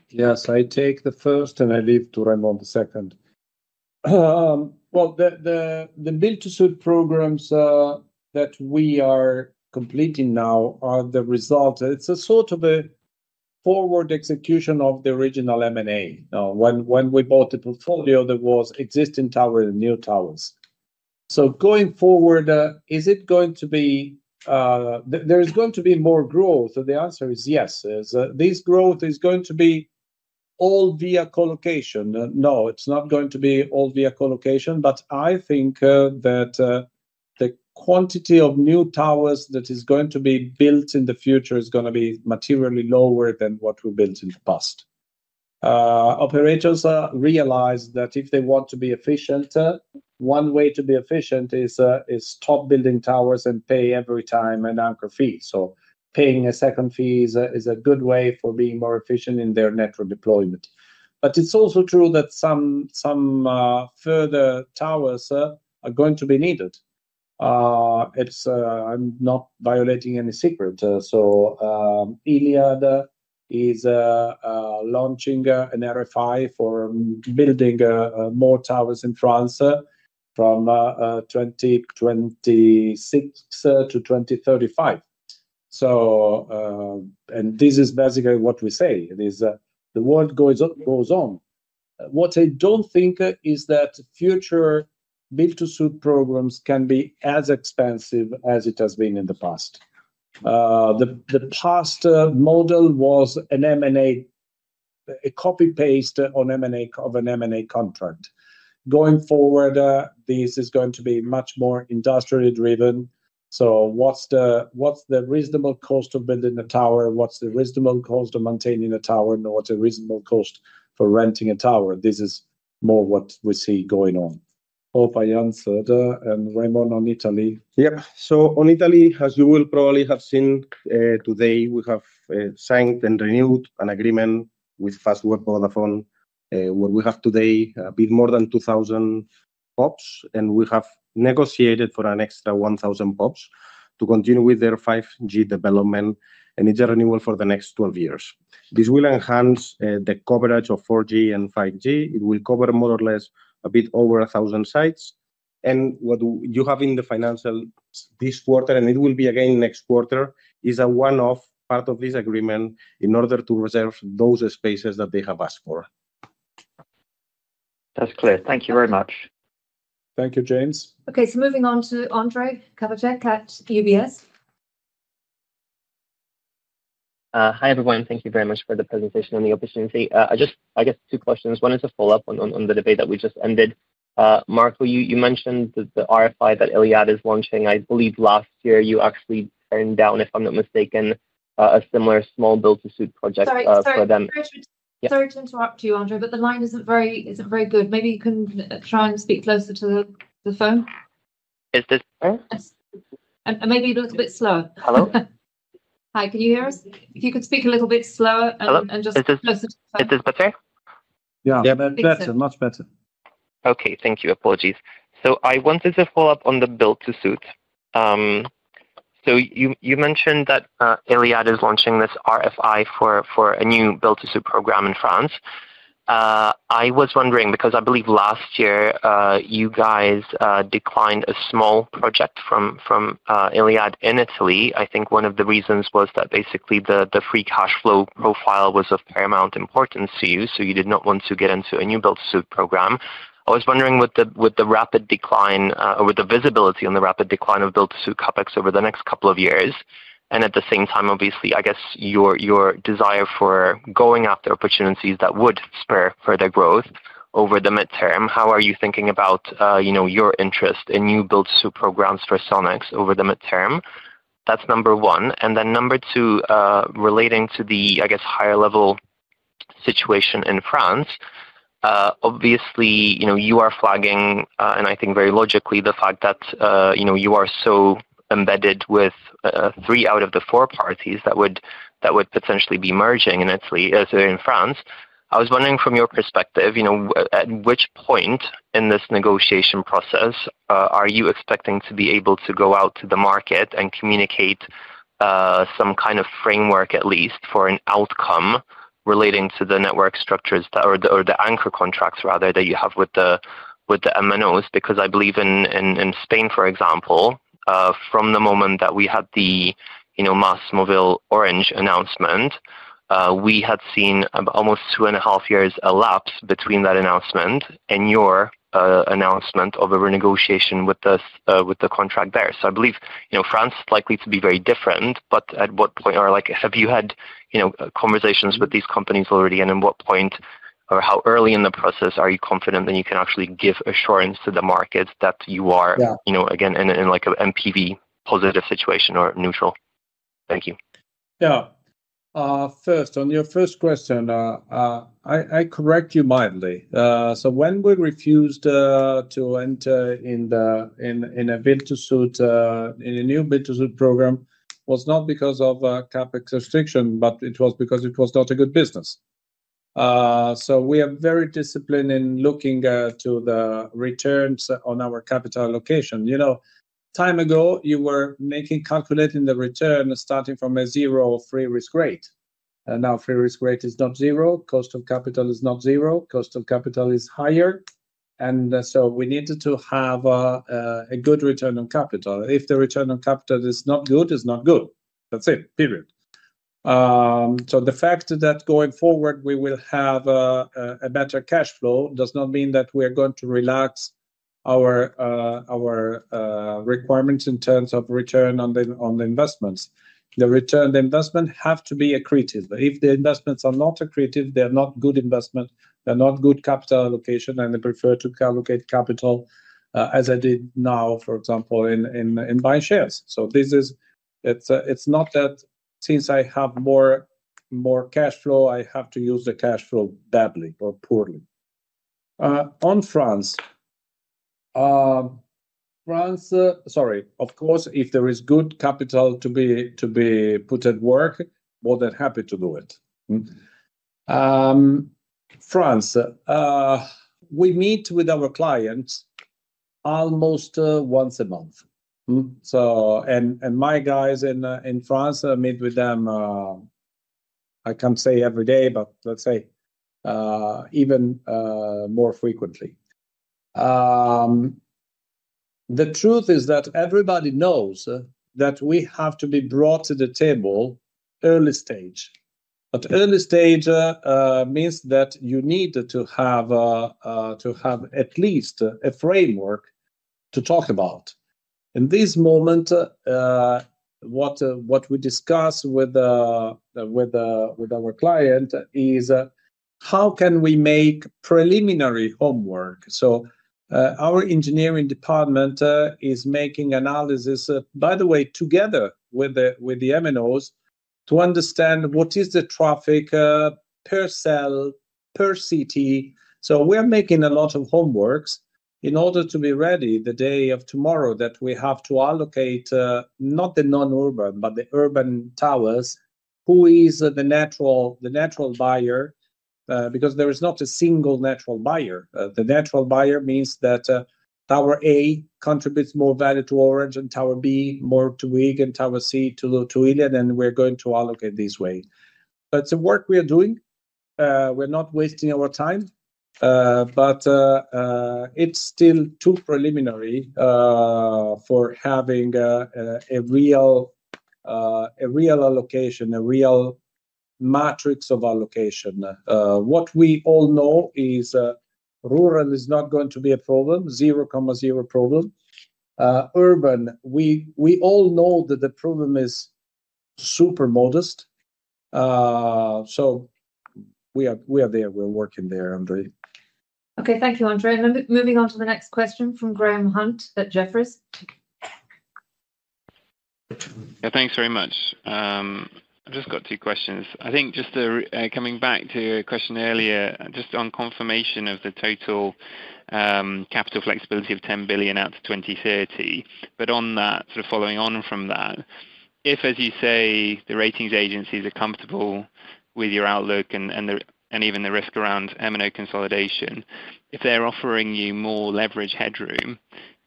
Yes, I take the first, and I leave to Raimon the second. The Build-to-Suit programs that we are completing now are the result. It's a sort of a forward execution of the original M&A. When we bought the portfolio, there were existing towers and new towers. Going forward, is it going to be there is going to be more growth? The answer is yes. This growth is going to be all via colocation. No, it's not going to be all via colocation, but I think that the quantity of new towers that is going to be built in the future is going to be materially lower than what we built in the past. Operators realize that if they want to be efficient, one way to be efficient is stop building towers and pay every time an anchor fee. Paying a second fee is a good way for being more efficient in their network deployment. It is also true that some further towers are going to be needed. I'm not violating any secret. Iliad is launching an RFI for building more towers in France from 2026 to 2035. This is basically what we say. The world goes on. What I don't think is that future Build-to-Suit programs can be as expensive as it has been in the past. The past model was an M&A, a copy-paste of an M&A contract. Going forward, this is going to be much more industrially driven. What is the reasonable cost of building a tower? What is the reasonable cost of maintaining a tower? And what is the reasonable cost for renting a tower? This is more what we see going on. Hope I answered. Raimon on Italy. Yep. On Italy, as you will probably have seen today, we have signed and renewed an agreement with Fastweb Vodafone where we have today a bit more than 2,000 PoPs, and we have negotiated for an extra 1,000 PoPs to continue with their 5G development, and it's a renewal for the next 12 years. This will enhance the coverage of 4G and 5G. It will cover more or less a bit over 1,000 sites. What you have in the financial this quarter, and it will be again next quarter, is a one-off part of this agreement in order to reserve those spaces that they have asked for. That's clear. Thank you very much. Thank you, James. Okay, moving on to Andre Cavecchi at UBS. Hi everyone. Thank you very much for the presentation and the opportunity. I guess two questions. One is a follow-up on the debate that we just ended. Marco, you mentioned the RFI that Iliad is launching. I believe last year you actually turned down, if I'm not mistaken, a similar small Build-to-Suit project for them. Sorry to interrupt you, Andre, but the line isn't very good. Maybe you can try and speak closer to the phone. Is this better? And maybe a little bit slower. Hello? Hi, can you hear us? If you could speak a little bit slower and just closer to the phone. Is this better? Yeah, better, much better. Okay, thank you. Apologies. I wanted to follow up on the Build-to-Suit. You mentioned that Iliad is launching this RFI for a new Build-to-Suit program in France. I was wondering, because I believe last year you guys declined a small project from Iliad in Italy. I think one of the reasons was that basically the free cash flow profile was of paramount importance to you, so you did not want to get into a new BTS program. I was wondering with the rapid decline or with the visibility on the rapid decline of BTS CapEx over the next couple of years, and at the same time, obviously, I guess your desire for going after opportunities that would spur further growth over the midterm, how are you thinking about your interest in new BTS programs for Cellnex over the midterm? That's number one. Number two, relating to the, I guess, higher-level situation in France, obviously, you are flagging, and I think very logically, the fact that you are so embedded with three out of the four parties that would potentially be merging in Italy and France. I was wondering from your perspective, at which point in this negotiation process are you expecting to be able to go out to the market and communicate some kind of framework at least for an outcome relating to the network structures or the anchor contracts, rather, that you have with the MNOs? Because I believe in Spain, for example, from the moment that we had the MásMóvil Orange announcement, we had seen almost two and a half years elapse between that announcement and your announcement of a renegotiation with the contract there. I believe France is likely to be very different, but at what point or have you had conversations with these companies already, and at what point or how early in the process are you confident that you can actually give assurance to the markets that you are, again, in an MPV-positive situation or neutral? Thank you. Yeah. First, on your first question, I correct you mildly. When we refused to enter in a new BTS program, it was not because of CapEx restriction, but it was because it was not a good business. We are very disciplined in looking to the returns on our capital allocation. Time ago, you were calculating the return starting from a zero or free risk rate. Now free risk rate is not zero. Cost of capital is not zero. Cost of capital is higher. We needed to have a good return on capital. If the return on capital is not good, it's not good. That's it, period. The fact that going forward we will have a better cash flow does not mean that we are going to relax our requirements in terms of return on the investments. The return on the investment has to be accretive. If the investments are not accretive, they are not good investments. They are not good capital allocation, and they prefer to allocate capital as they did now, for example, in buying shares. It is not that since I have more cash flow, I have to use the cash flow badly or poorly. On France, sorry, of course, if there is good capital to be put at work, more than happy to do it. France, we meet with our clients almost once a month. And my guys in France, I meet with them, I can't say every day, but let's say even more frequently. The truth is that everybody knows that we have to be brought to the table early stage. Early stage means that you need to have at least a framework to talk about. In this moment, what we discuss with our client is how can we make preliminary homework. So our engineering department is making analysis, by the way, together with the MNOs to understand what is the traffic per cell, per city. So we are making a lot of homework in order to be ready the day of tomorrow that we have to allocate not the non-urban, but the urban towers. Who is the natural buyer? Because there is not a single natural buyer. The natural buyer means that Tower A contributes more value to Orange and Tower B more to Free and Tower C to Iliad, and we're going to allocate this way. So it's a work we are doing. We're not wasting our time, but it's still too preliminary for having a real allocation, a real matrix of allocation. What we all know is rural is not going to be a problem, zero comma zero problem. Urban, we all know that the problem is super modest. So we are there. We're working there, Andre. Okay, thank you, Andre. Moving on to the next question from Graham Hunt at Jefferies. Thanks very much. I've just got two questions. I think just coming back to a question earlier, just on confirmation of the total capital flexibility of 10 billion out to 2030, but on that, sort of following on from that, if, as you say, the ratings agencies are comfortable with your outlook and even the risk around M&A consolidation, if they're offering you more leverage headroom,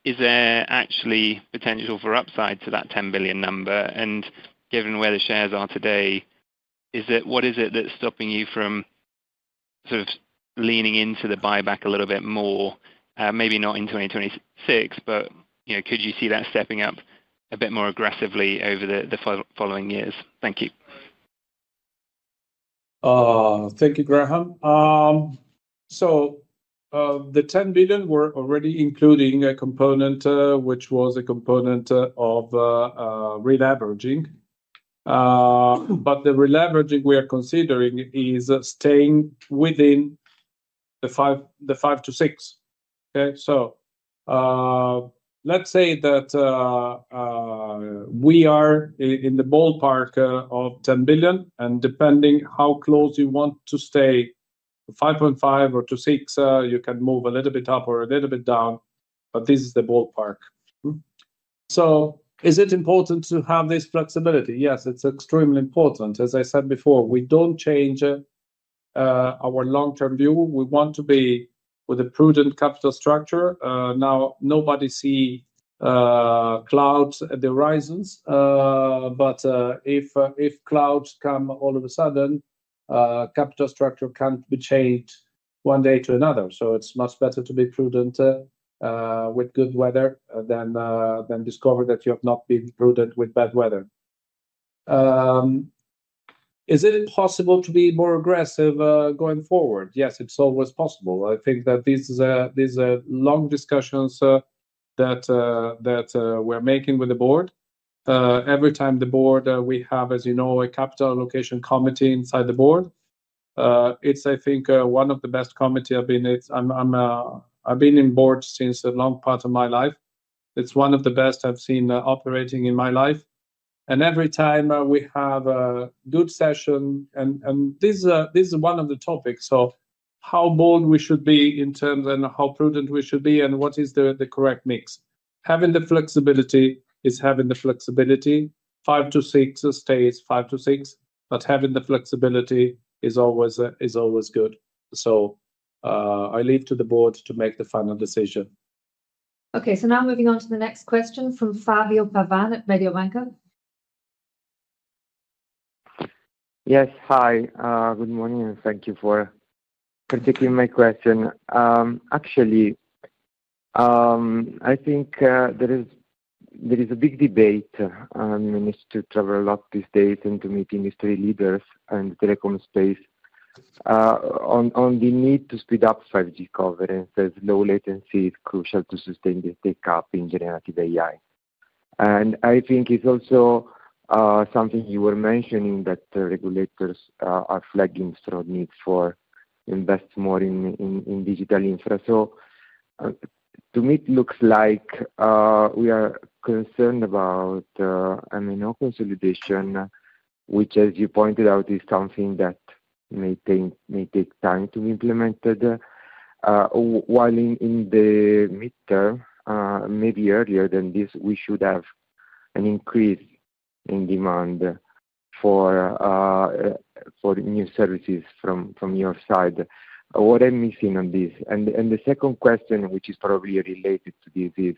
is there actually potential for upside to that 10 billion number? Given where the shares are today, what is it that is stopping you from sort of leaning into the buyback a little bit more? Maybe not in 2026, but could you see that stepping up a bit more aggressively over the following years? Thank you. Thank you, Graham. The 10 billion, we are already including a component which was a component of re-leveraging. The re-leveraging we are considering is staying within the 5-6. Okay? Let's say that we are in the ballpark of 10 billion, and depending on how close you want to stay, 5.5 or to 6, you can move a little bit up or a little bit down, but this is the ballpark. Is it important to have this flexibility? Yes, it is extremely important. As I said before, we do not change our long-term view. We want to be with a prudent capital structure. Now, nobody sees clouds at the horizons, but if clouds come all of a sudden, capital structure cannot be changed one day to another. It is much better to be prudent with good weather than discover that you have not been prudent with bad weather. Is it possible to be more aggressive going forward? Yes, it is always possible. I think that these are long discussions that we are making with the board. Every time the board, we have, as you know, a capital allocation committee inside the board. It is, I think, one of the best committees. I have been in boards since a long part of my life. It is one of the best I have seen operating in my life. Every time we have a good session, and this is one of the topics, how bold we should be in terms and how prudent we should be and what is the correct mix. Having the flexibility is having the flexibility. Five-six stays five-six, but having the flexibility is always good. I leave to the board to make the final decision. Now moving on to the next question from Fabio Pavan at Mediobanca. Yes, hi. Good morning. Thank you for critiquing my question. Actually, I think there is a big debate. I managed to travel a lot these days and to meet industry leaders in the telecom space on the need to speed up 5G coverance as low latency is crucial to sustain the take-up in generative AI. I think it's also something you were mentioning that regulators are flagging strong needs for investing more in digital infrastructure. To me, it looks like we are concerned about M&A consolidation, which, as you pointed out, is something that may take time to be implemented. While in the midterm, maybe earlier than this, we should have an increase in demand for new services from your side. What I'm missing on this, and the second question, which is probably related to this, is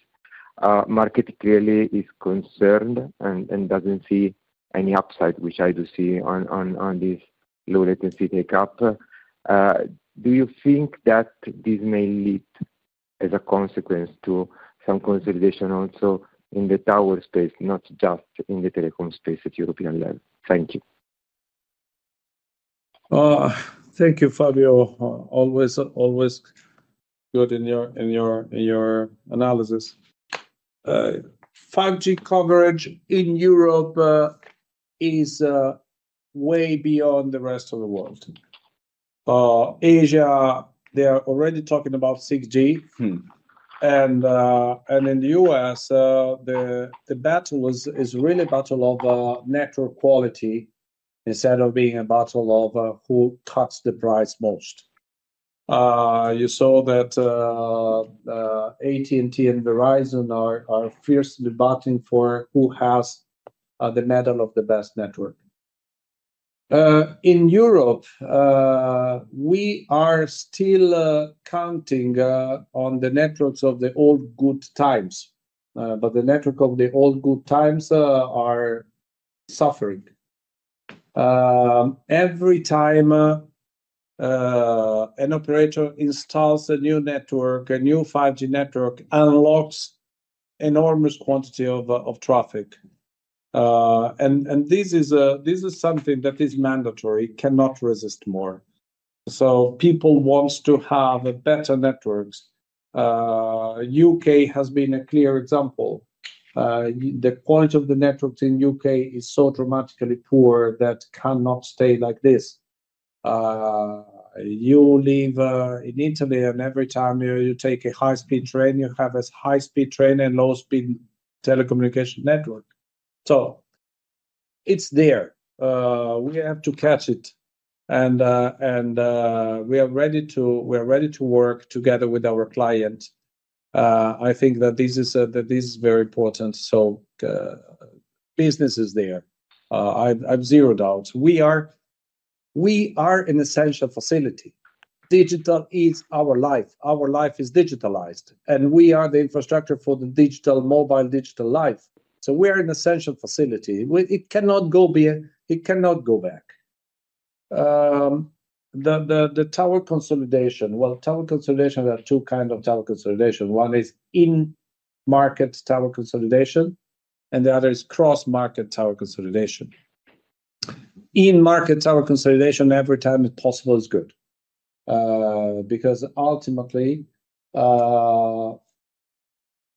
market clearly is concerned and doesn't see any upside, which I do see on this low-latency take-up. Do you think that this may lead as a consequence to some consolidation also in the tower space, not just in the telecom space at European level? Thank you. Thank you, Fabio. Always good in your analysis. 5G coverage in Europe is way beyond the rest of the world. Asia, they are already talking about 6G. In the U.S., the battle is really a battle of network quality instead of being a battle of who cuts the price most. You saw that AT&T and Verizon are fiercely battling for who has the medal of the best network. In Europe, we are still counting on the networks of the old good times. The network of the old good times are suffering. Every time an operator installs a new network, a new 5G network, it unlocks an enormous quantity of traffic. This is something that is mandatory. It cannot resist more. People want to have better networks. The U.K. has been a clear example. The quality of the networks in the U.K. is so dramatically poor that it cannot stay like this. You live in Italy, and every time you take a high-speed train, you have a high-speed train and low-speed telecommunication network. It is there. We have to catch it. We are ready to work together with our clients. I think that this is very important. Business is there. I have zero doubts. We are an essential facility. Digital is our life. Our life is digitalized. We are the infrastructure for the digital mobile digital life. We are an essential facility. It cannot go back. The tower consolidation, tower consolidation, there are two kinds of tower consolidation. One is in-market tower consolidation, and the other is cross-market tower consolidation. In-market tower consolidation, every time it is possible, is good. Because ultimately, there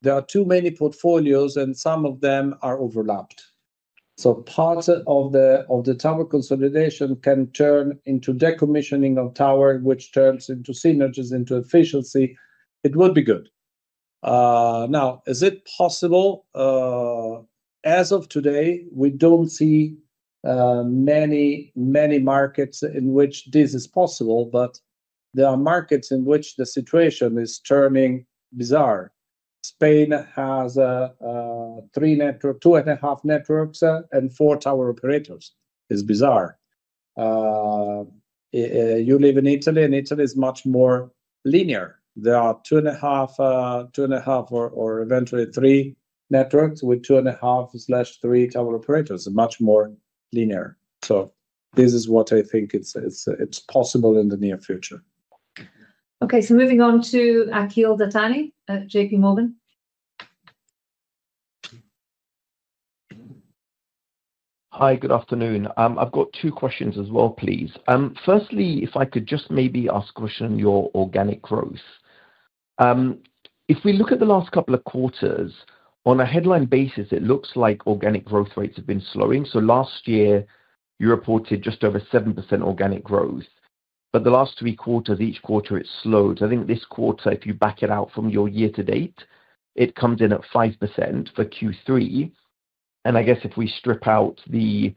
are too many portfolios, and some of them are overlapped. Part of the tower consolidation can turn into decommissioning of tower, which turns into synergies, into efficiency. It would be good. Now, is it possible? As of today, we do not see many markets in which this is possible, but there are markets in which the situation is turning bizarre. Spain has two and a half networks and four tower operators. It is bizarre. You live in Italy, and Italy is much more linear. There are two and a half or eventually three networks with two and a half or three tower operators. It is much more linear. This is what I think is possible in the near future. Okay, moving on to Akhil Dattani, J.P. Morgan. Hi, good afternoon. I have got two questions as well, please. Firstly, if I could just maybe ask a question on your organic growth. If we look at the last couple of quarters, on a headline basis, it looks like organic growth rates have been slowing. Last year, you reported just over 7% organic growth. The last three quarters, each quarter, it slowed. I think this quarter, if you back it out from your year-to-date, it comes in at 5% for Q3. I guess if we strip out the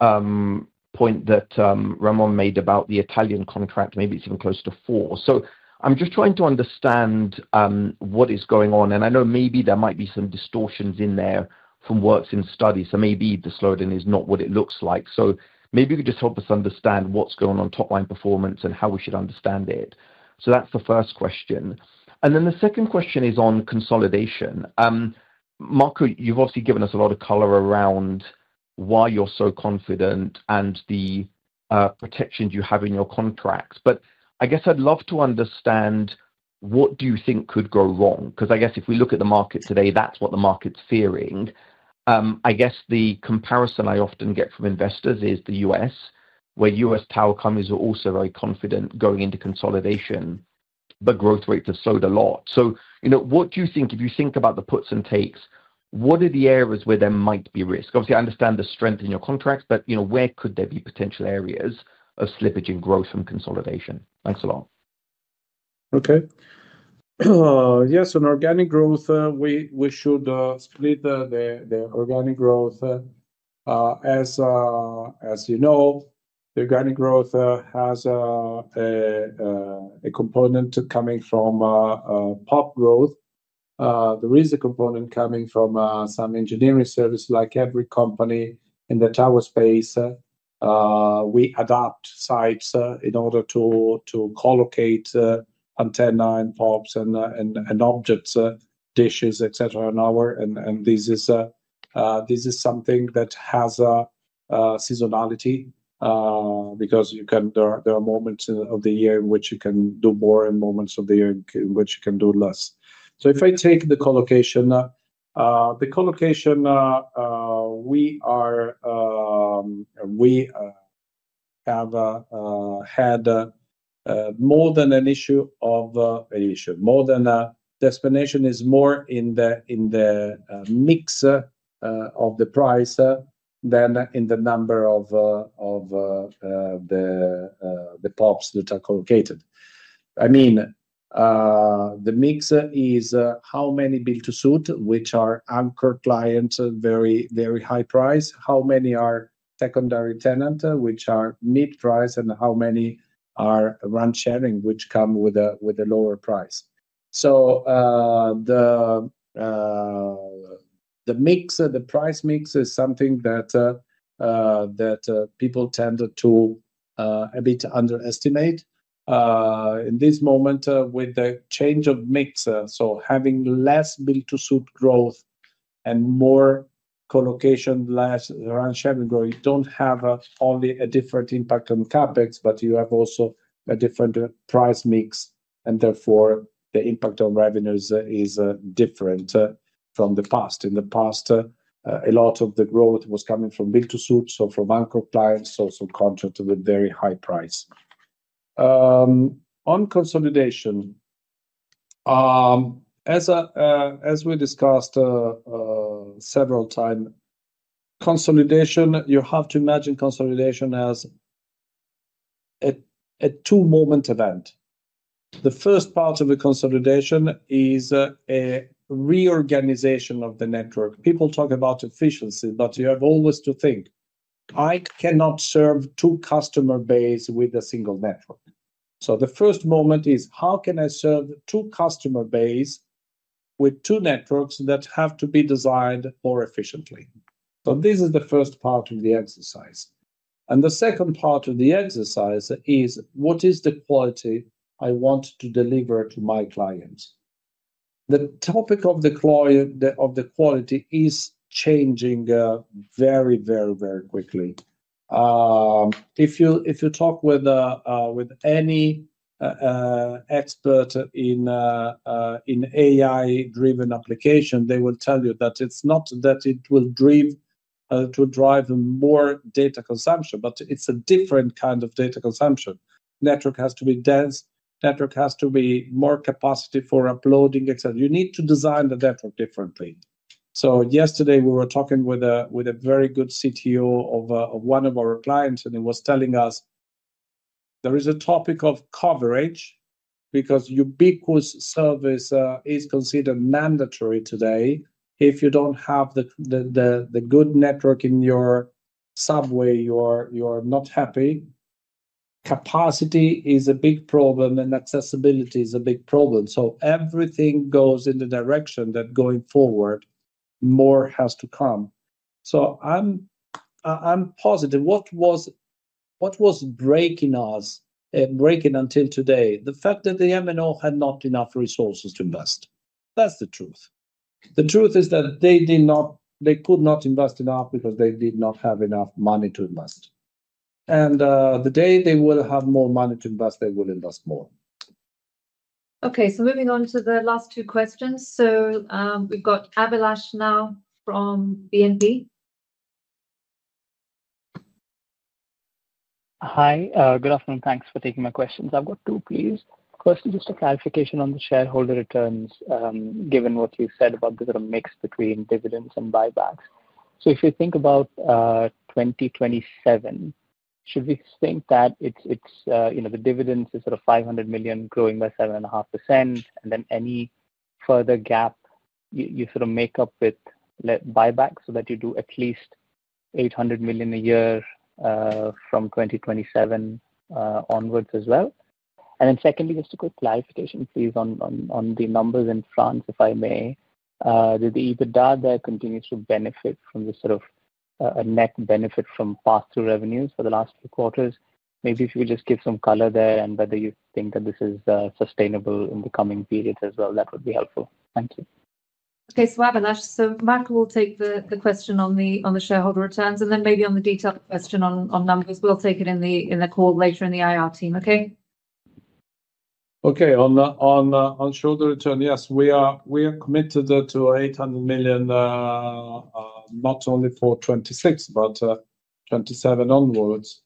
point that Raimon made about the Italian contract, maybe it is even close to 4%. I am just trying to understand what is going on. I know maybe there might be some distortions in there from works and studies. Maybe the slowdown is not what it looks like. Maybe you could just help us understand what is going on with top-line performance and how we should understand it. That is the first question. Then the second question is on consolidation. Marco, you have obviously given us a lot of color around why you are so confident and the protections you have in your contracts. I guess I would love to understand what do you think could go wrong? Because I guess if we look at the market today, that is what the market is fearing. The comparison I often get from investors is the U.S., where U.S. telecom is also very confident going into consolidation, but growth rates have slowed a lot. What do you think? If you think about the puts and takes, what are the areas where there might be risk? Obviously, I understand the strength in your contracts, but where could there be potential areas of slippage in growth from consolidation? Thanks a lot. Okay. Yes, on organic growth, we should split the organic growth. As you know, the organic growth has a component coming from pop growth. There is a component coming from some engineering service, like every company in the tower space. We adapt sites in order to co-locate antenna and PoPs and objects, dishes, etc. This is something that has seasonality because there are moments of the year in which you can do more and moments of the year in which you can do less. If I take the co-location, we have had more than an issue. More than a destination, it is more in the mix of the price than in the number of the PoPs that are co-located. I mean, the mix is how many Build-to-Suit, which are anchor clients, very high price. How many are secondary tenant, which are mid-price, and how many are RAN-sharing, which come with a lower price. The mix, the price mix, is something that people tend to a bit underestimate. In this moment, with the change of mix, so having less Build-to-Suit growth and more colocation, less RAN-sharing growth, you do not have only a different impact on CapEx, but you have also a different price mix. Therefore, the impact on revenues is different from the past. In the past, a lot of the growth was coming from Build-to-Suit, so from anchor clients, so contract to the very high price. On consolidation, as we discussed several times, consolidation, you have to imagine consolidation as a two-moment event. The first part of the consolidation is a reorganization of the network. People talk about efficiency, but you have always to think, "I cannot serve two customer bases with a single network." The first moment is, "How can I serve two customer bases with two networks that have to be designed more efficiently?" This is the first part of the exercise. The second part of the exercise is, "What is the quality I want to deliver to my clients?" The topic of the quality is changing very, very, very quickly. If you talk with any expert in AI-driven application, they will tell you that it's not that it will drive more data consumption, but it's a different kind of data consumption. Network has to be dense. Network has to be more capacity for uploading, etc. You need to design the network differently. Yesterday, we were talking with a very good CTO of one of our clients, and he was telling us, "There is a topic of coverage because ubiquitous service is considered mandatory today. If you do not have the good network in your subway, you are not happy. Capacity is a big problem, and accessibility is a big problem." Everything goes in the direction that going forward, more has to come. I am positive. What was breaking us, breaking until today? The fact that the MNO had not enough resources to invest. That is the truth. The truth is that they could not invest enough because they did not have enough money to invest. The day they will have more money to invest, they will invest more. Moving on to the last two questions. We have Avilash now from BNP. Hi, good afternoon. Thanks for taking my questions. I've got two, please. Firstly, just a clarification on the shareholder returns, given what you said about the sort of mix between dividends and buybacks. If you think about 2027, should we think that the dividends is sort of 500 million growing by 7.5%, and then any further gap, you sort of make up with buybacks so that you do at least 800 million a year from 2027 onwards as well? Secondly, just a quick clarification, please, on the numbers in France, if I may. Did the EBITDA there continue to benefit from the sort of net benefit from pass-through revenues for the last few quarters? Maybe if you could just give some color there and whether you think that this is sustainable in the coming period as well, that would be helpful. Thank you. Okay, so Avilash. Marco will take the question on the shareholder returns, and then maybe on the detailed question on numbers. We will take it in the call later in the IR team, okay? Okay, on shareholder return, yes, we are committed to 800 million, not only for 2026, but 2027 onwards.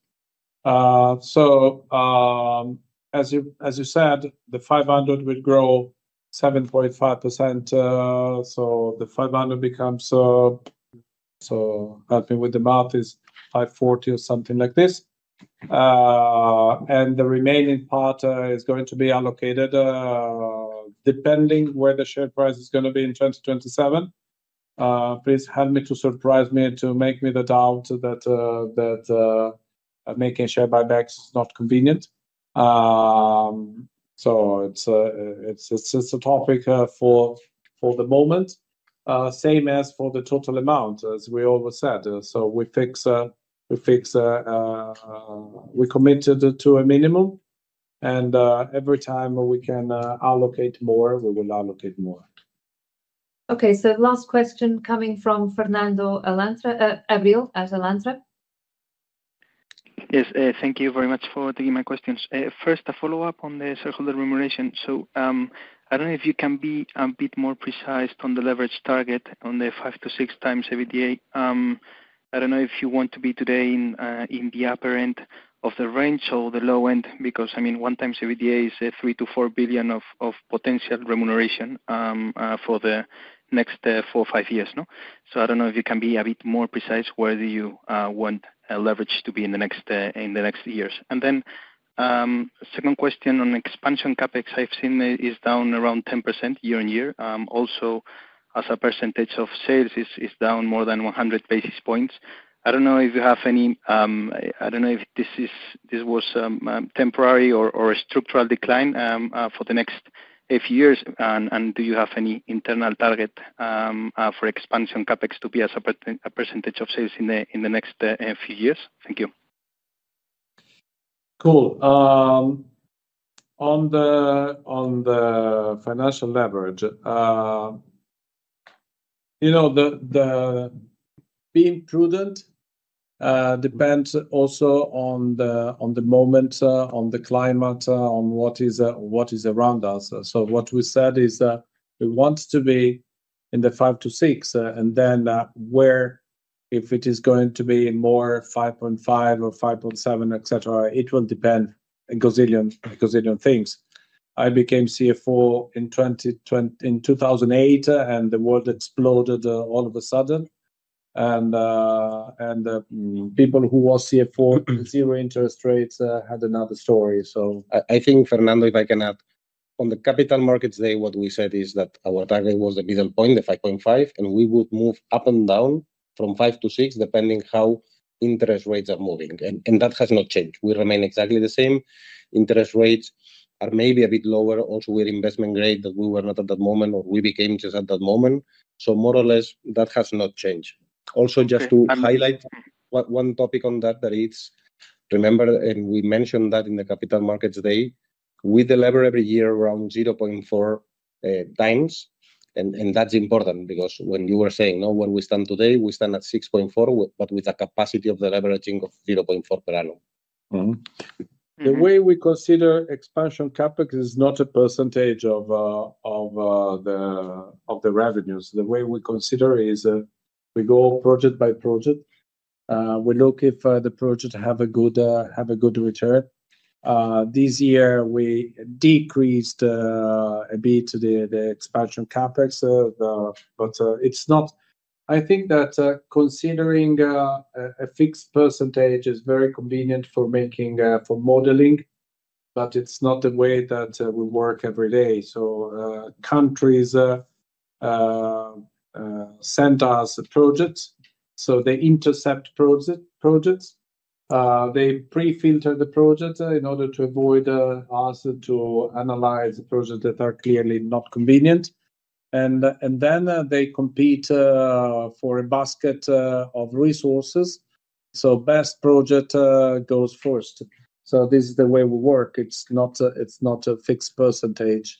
As you said, the 500 million would grow 7.5%. The 500 million becomes, so help me with the math, is 540 million or something like this. The remaining part is going to be allocated depending where the share price is going to be in 2027. Please help me to surprise me, to make me the doubt that making share buybacks is not convenient. It is a topic for the moment, same as for the total amount, as we always said. We fix, we committed to a minimum. Every time we can allocate more, we will allocate more. Okay, so last question coming from Fernando Abril at Alantra. Yes, thank you very much for taking my questions. First, a follow-up on the shareholder remuneration. I do not know if you can be a bit more precise on the leverage target on the five-six times EBITDA. I do not know if you want to be today in the upper end of the range or the low end, because, I mean, one time EBITDA is 3 billion-4 billion of potential remuneration for the next four or five years. I do not know if you can be a bit more precise where do you want leverage to be in the next years. And then second question on expansion CapEx, I have seen is down around 10% year-on-year. Also, as a percentage of sales, it is down more than 100 basis points. I don't know if you have any, I don't know if this was temporary or a structural decline for the next few years. And do you have any internal target for expansion CapEx to be a percentage of sales in the next few years? Thank you. Cool. On the financial leverage, being prudent depends also on the moment, on the climate, on what is around us. What we said is we want to be in the 5-6, and then where, if it is going to be more 5.5 or 5.7, etc., it will depend on a gazillion things. I became CFO in 2008, and the world exploded all of a sudden. People who were CFO with zero interest rates had another story. I think, Fernando, if I can add, on the Capital Markets Day, what we said is that our target was the middle point, the 5.5, and we would move up and down from five-six depending on how interest rates are moving. That has not changed. We remain exactly the same. Interest rates are maybe a bit lower also with investment grade that we were not at that moment or we became just at that moment. More or less, that has not changed. Also, just to highlight one topic on that, remember, and we mentioned that in the Capital Markets Day, we deliver every year around 0.4 times. That is important because when you were saying, "No, when we stand today, we stand at 6.4, but with a capacity of the leveraging of 0.4 per annum." The way we consider expansion CapEx is not a percentage of the revenues. The way we consider is we go project by project. We look if the project has a good return. This year, we decreased a bit the expansion CapEx, but it is not. I think that considering a fixed percentage is very convenient for modeling, but it is not the way that we work every day. Countries send us projects. They intercept projects. They prefilter the project in order to avoid us analyzing the projects that are clearly not convenient. They compete for a basket of resources. Best project goes first. This is the way we work. It is not a fixed percentage.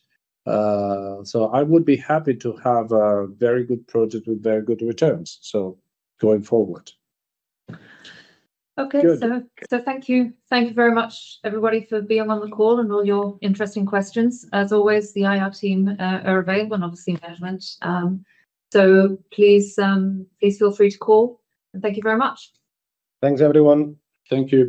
I would be happy to have a very good project with very good returns going forward. Okay, thank you. Thank you very much, everybody, for being on the call and all your interesting questions. As always, the IR team are available, and obviously, management. Please feel free to call. Thank you very much. Thanks, everyone. Thank you.